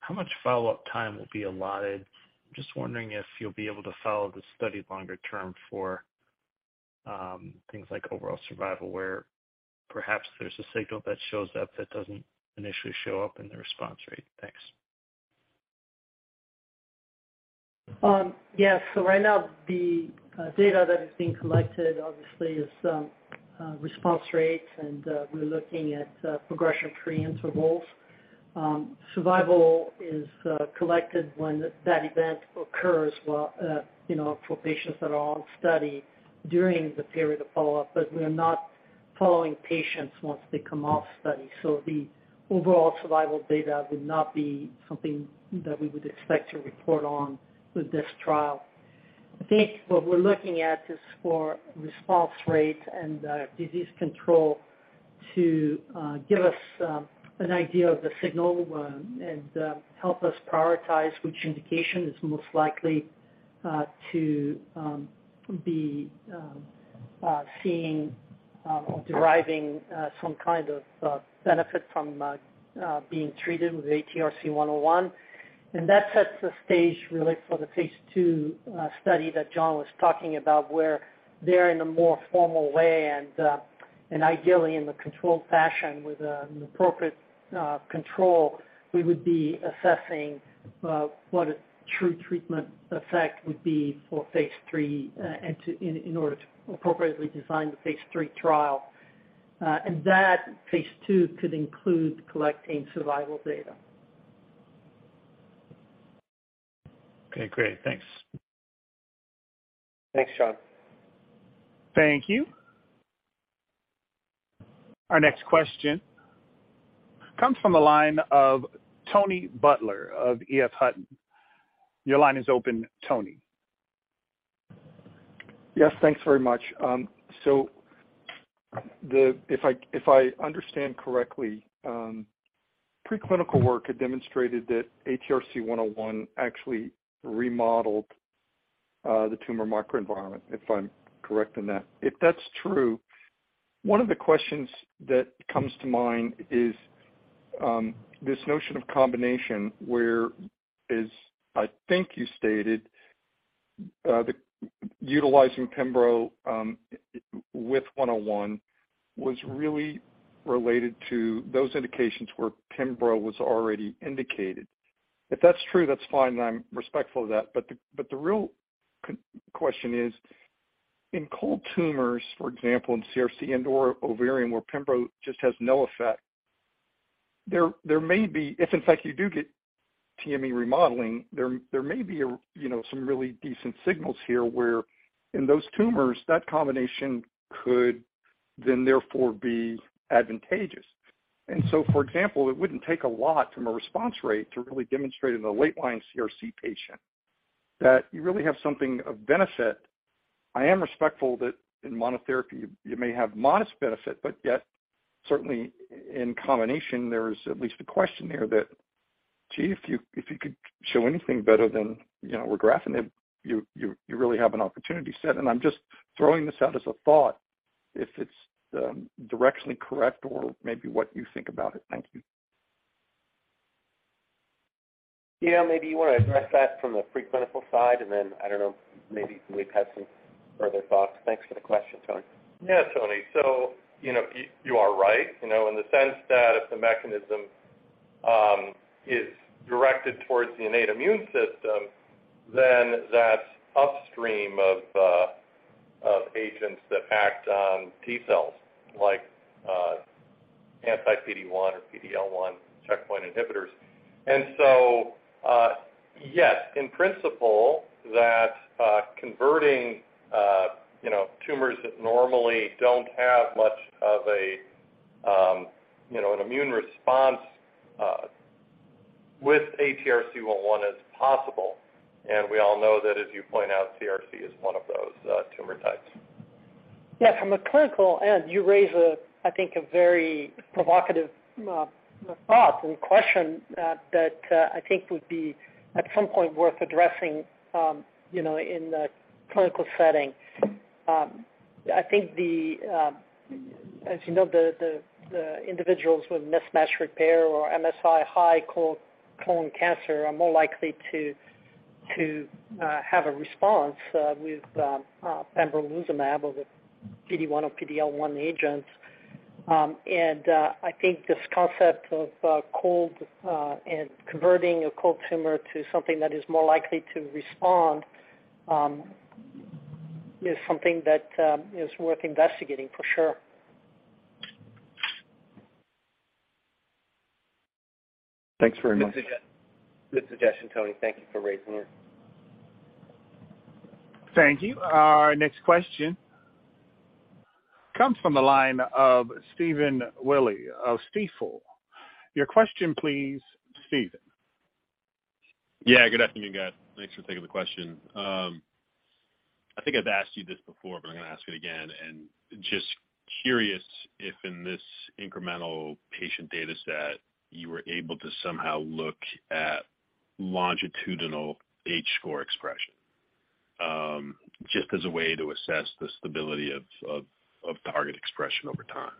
how much follow-up time will be allotted? Just wondering if you'll be able to follow the study longer term for things like overall survival, where perhaps there's a signal that shows up that doesn't initially show up in the response rate. Thanks. Yes. Right now the data that is being collected obviously is response rates, and we're looking at progression-free intervals. Survival is collected when that event occurs, while, you know, for patients that are on study during the period of follow-up, but we're not following patients once they come off study. The overall survival data would not be something that we would expect to report on with this trial. I think what we're looking at is for response rates and disease control to give us an idea of the signal and help us prioritize which indication is most likely to be seeing or deriving some kind of benefit from being treated with ATRC-101. That sets the stage really for the phase II study that John was talking about, where there in a more formal way and ideally in a controlled fashion with an appropriate control, we would be assessing what a true treatment effect would be for phase III and to in order to appropriately design the phase III trial. That phase II could include collecting survival data. Okay, great. Thanks. Thanks, John. Thank you. Our next question comes from the line of Tony Butler of EF Hutton. Your line is open, Tony. Yes, thanks very much. So the... If I understand correctly, preclinical work had demonstrated that ATRC-101 actually remodeled the tumor microenvironment, if I'm correct in that? If that's true, one of the questions that comes to mind is this notion of combination where, as I think you stated, the utilizing pembro with ATRC-101 was really related to those indications where pembro was already indicated. If that's true, that's fine, and I'm respectful of that. The real question is, in cold tumors, for example, in CRC and/or ovarian, where pembro just has no effect, there may be. If in fact you do get TME remodeling, there may be a, you know, some really decent signals here where in those tumors that combination could then therefore be advantageous? For example, it wouldn't take a lot from a response rate to really demonstrate in a late line CRC patient that you really have something of benefit. I am respectful that in monotherapy you may have modest benefit, but yet certainly in combination there is at least a question there that, gee, if you could show anything better than, you know, regorafenib, you really have an opportunity set. I'm just throwing this out as a thought if it's directionally correct or maybe what you think about it. Thank you. Yeah, maybe you want to address that from the preclinical side, and then, I don't know, maybe we have some further thoughts. Thanks for the question, Tony. Yeah, Tony. You know, you are right, you know, in the sense that if the mechanism is directed towards the innate immune system, then that's upstream of agents that act on T cells like anti-PD-1 or PD-L1 checkpoint inhibitors. Yes, in principle that converting, you know, tumors that normally don't have much of a, you know, an immune response with ATRC-101 is possible. We all know that as you point out, CRC is one of those tumor types. From a clinical end, you raise a, I think, a very provocative thought and question that I think would be at some point worth addressing, you know, in the clinical setting. I think the, as you know, the individuals with mismatch repair or MSI-H colon cancer are more likely to have a response, with pembrolizumab or the PD-1 or PD-L1 agents. I think this concept of cold and converting a cold tumor to something that is more likely to respond, is something that is worth investigating for sure. Thanks very much. Good suggestion, Tony. Thank you for raising it. Thank you. Our next question comes from the line of Stephen Willey of Stifel. Your question please, Stephen. Yeah. Good afternoon, guys. Thanks for taking the question. I think I've asked you this before, but I'm gonna ask it again. Just curious if in this incremental patient data set you were able to somehow look at longitudinal H-score expression, just as a way to assess the stability of target expression over time.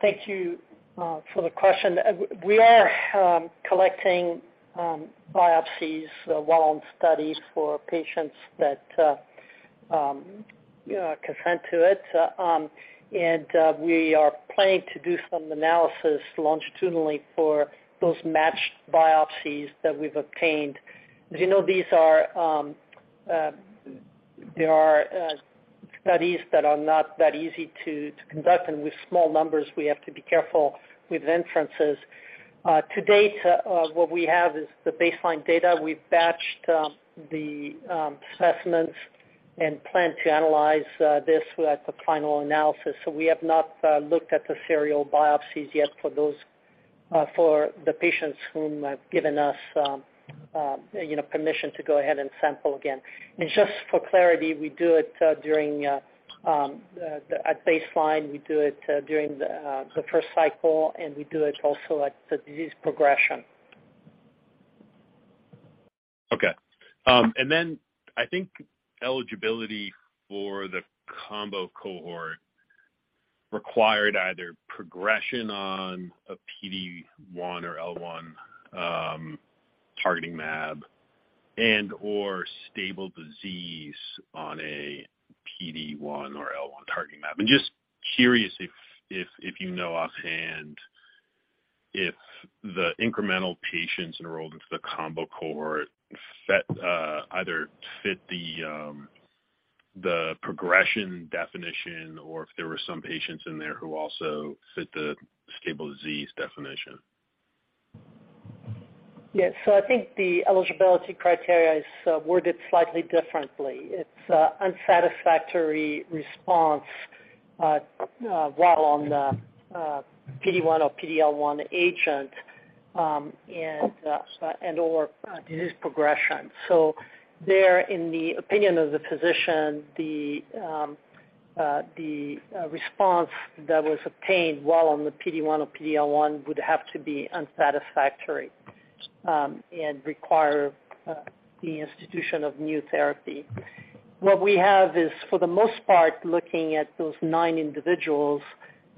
Thank you for the question. We are collecting biopsies while on studies for patients that, you know, consent to it. We are planning to do some analysis longitudinally for those matched biopsies that we've obtained. As you know, these are, they are studies that are not that easy to conduct, and with small numbers we have to be careful with inferences. To date, what we have is the baseline data. We've batched the specimens and plan to analyze this at the final analysis. We have not looked at the serial biopsies yet for those, for the patients whom have given us, you know, permission to go ahead and sample again. Just for clarity, we do it at baseline, we do it during the first cycle, and we do it also at the disease progression. Okay. Then I think eligibility for the combo cohort required either progression on a PD-1 or L-1 targeting mAb and or stable disease on a PD-1 or L-1 targeting mAb. I'm just curious if you know offhand if the incremental patients enrolled into the combo cohort set, either fit the progression definition or if there were some patients in there who also fit the stable disease definition. Yes. I think the eligibility criteria is worded slightly differently. It's unsatisfactory response while on the PD-1 or PD-L1 agent, and/or disease progression. There, in the opinion of the physician, the response that was obtained while on the PD-1 or PD-L1 would have to be unsatisfactory and require the institution of new therapy. What we have is, for the most part, looking at those nine individuals,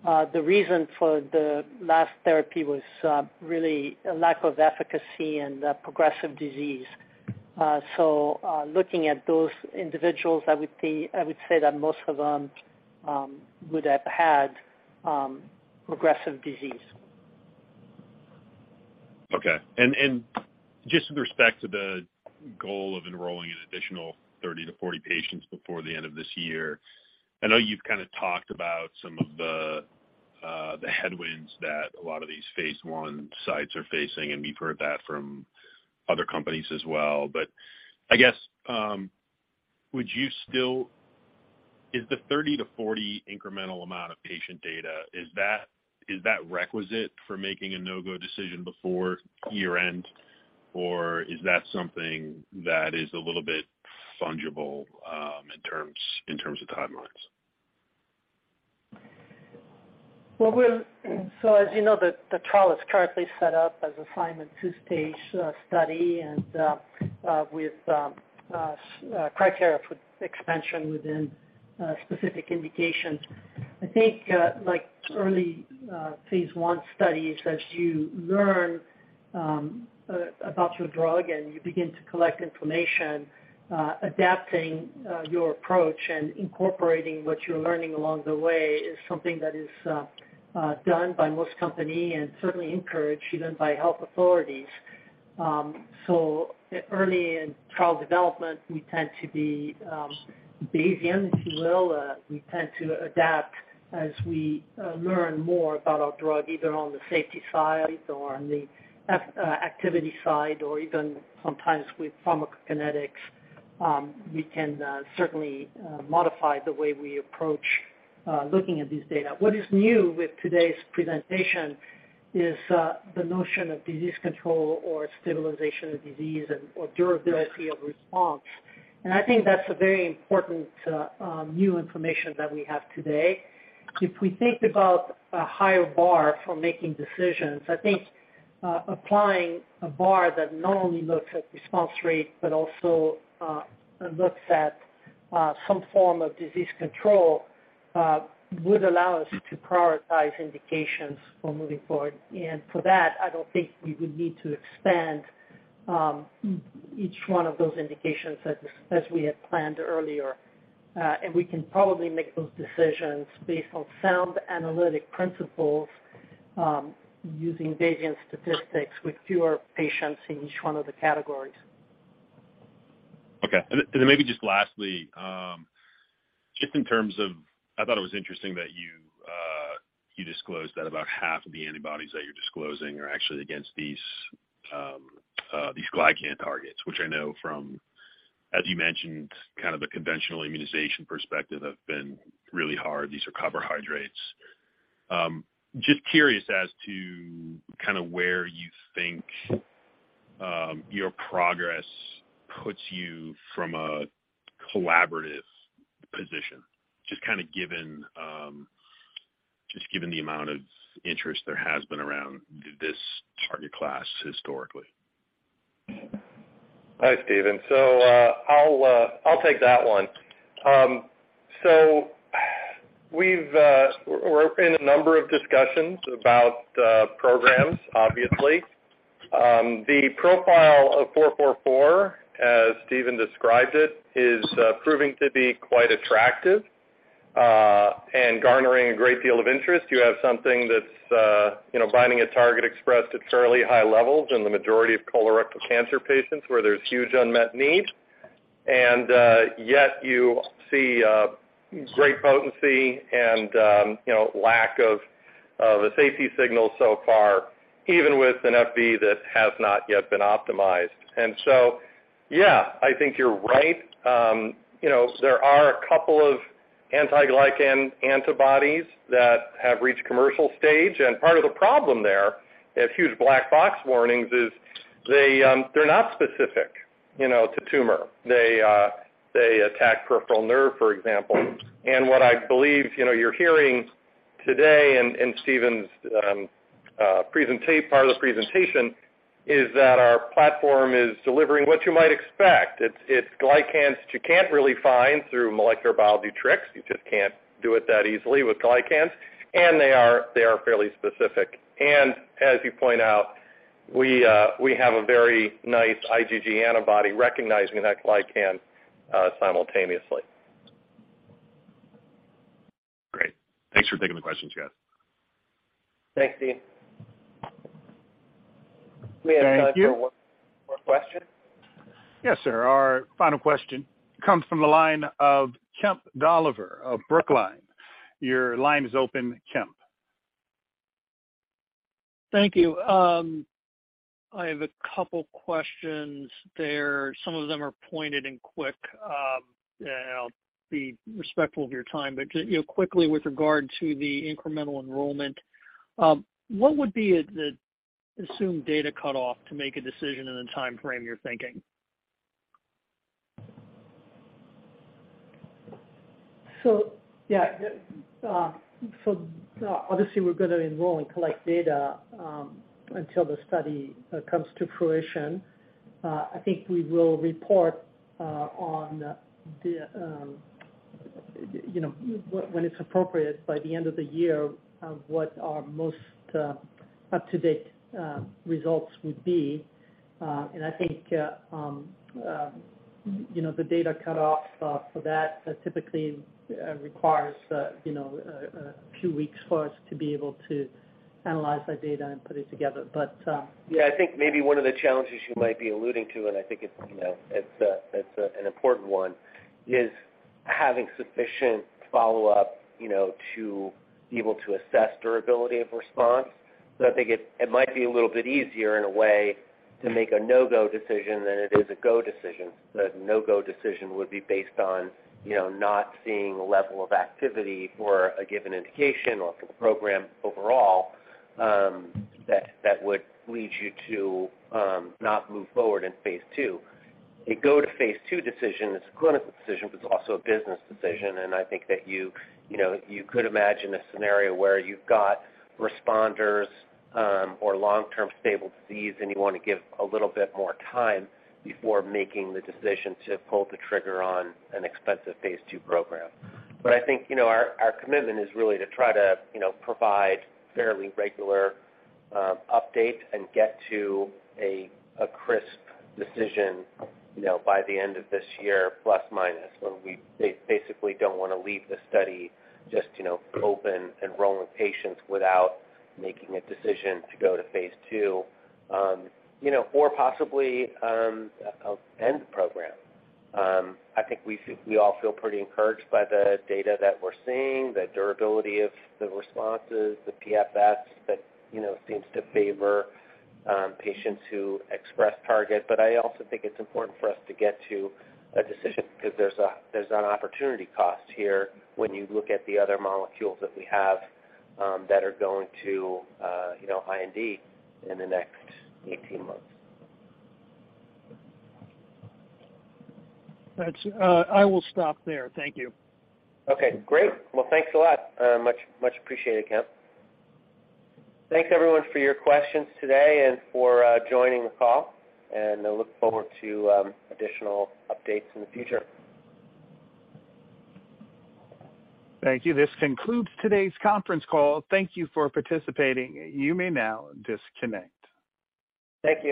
the reason for the last therapy was really a lack of efficacy and the progressive disease. Looking at those individuals, I would say that most of them would have had progressive disease. Okay. Just with respect to the goal of enrolling an additional 30 to 40 patients before the end of this year, I know you've kind of talked about some of the headwinds that a lot of these phase I sites are facing, and we've heard that from other companies as well. I guess, would you still? Is the 30 to 40 incremental amount of patient data requisite for making a no-go decision before year-end, or is that something that is a little bit fungible in terms of the timelines? Well, as you know, the trial is currently set up a Simon two-stage study and with criteria for expansion within specific indications. I think, like early phase I studies, as you learn about your drug and you begin to collect information, adapting your approach and incorporating what you're learning along the way is something that is done by most company and certainly encouraged even by health authorities. Early in trial development, we tend to be Bayesian, if you will. We tend to adapt as we learn more about our drug, either on the safety side or on the activity side, or even sometimes with pharmacokinetics. We can certainly modify the way we approach looking at these data. What is new with today's presentation is the notion of disease control or stabilization of disease or durability of response. I think that's a very important new information that we have today. If we think about a higher bar for making decisions, I think applying a bar that not only looks at response rate, but also looks at some form of disease control would allow us to prioritize indications for moving forward. For that, I don't think we would need to expand each one of those indications as we had planned earlier. We can probably make those decisions based on sound analytic principles using Bayesian statistics with fewer patients in each one of the categories. Okay. maybe just lastly, just in terms of I thought it was interesting that you disclosed that about half of the antibodies that you're disclosing are actually against these glycan targets, which I know from, as you mentioned, kind of the conventional immunization perspective, have been really hard. These are carbohydrates. just curious as to kind of where you think your progress puts you from a collaborative position, just kind of given just given the amount of interest there has been around this target class historically. Hi, Steven. I'll take that one. We're in a number of discussions about programs, obviously. The profile of 444, as Steven described it, is proving to be quite attractive and garnering a great deal of interest. You have something that's, you know, binding a target expressed at fairly high levels in the majority of colorectal cancer patients where there's huge unmet need. Yet you see great potency and, you know, lack of a safety signal so far, even with an FB that has not yet been optimized. Yeah, I think you're right. You know, there are a couple of anti-glycan antibodies that have reached commercial stage. Part of the problem there, they have huge black box warnings, is they're not specific, you know, to tumor. They, they attack peripheral nerve, for example. What I believe, you know, you're hearing today in Stephen's part of the presentation, is that our platform is delivering what you might expect. It's glycans that you can't really find through molecular biology tricks. You just can't do it that easily with glycans. They are fairly specific. As you point out, we have a very nice IgG antibody recognizing that glycan, simultaneously. Great. Thanks for taking the questions, guys. Thanks, Steve. Thank you. We have time for one more question. Yes, sir. Our final question comes from the line of Kemp Dolliver of Brookline. Your line is open, Kemp. Thank you. I have a couple questions there. Some of them are pointed and quick, and I'll be respectful of your time. you know, quickly with regard to the incremental enrollment, what would be the assumed data cutoff to make a decision in the timeframe you're thinking? Yeah. obviously we're gonna enroll and collect data until the study comes to fruition. I think we will report on the, you know, when it's appropriate by the end of the year of what our most up-to-date results would be. I think, you know, the data cutoffs for that typically requires, you know, a few weeks for us to be able to analyze that data and put it together. But... Yeah, I think maybe one of the challenges you might be alluding to, and I think it's, you know, it's a an important one, is having sufficient follow-up, you know, to be able to assess durability of response. I think it might be a little bit easier in a way to make a no-go decision than it is a go decision. The no-go decision would be based on, you know, not seeing a level of activity for a given indication or for the program overall, that would lead you to not move forward in phase II. A go to phase II decision is a clinical decision, but it's also a business decision. I think that you know, you could imagine a scenario where you've got responders, or long-term stable disease, and you wanna give a little bit more time before making the decision to pull the trigger on an expensive phase II program. I think, you know, our commitment is really to try to, you know, provide fairly regular updates and get to a crisp decision, you know, by the end of this year, plus, minus. We basically don't wanna leave the study just, you know, open, enrolling patients without making a decision to go to phase II, you know, or possibly end the program. I think we all feel pretty encouraged by the data that we're seeing, the durability of the responses, the PFS that, you know, seems to favor patients who express target. I also think it's important for us to get to a decision because there's an opportunity cost here when you look at the other molecules that we have, that are going to, you know, IND in the next 18 months. That's, I will stop there. Thank you. Okay, great. Well, thanks a lot. much, much appreciated, Kemp. Thanks everyone for your questions today and for joining the call, and I look forward to additional updates in the future. Thank you. This concludes today's conference call. Thank you for participating. You may now disconnect. Thank you.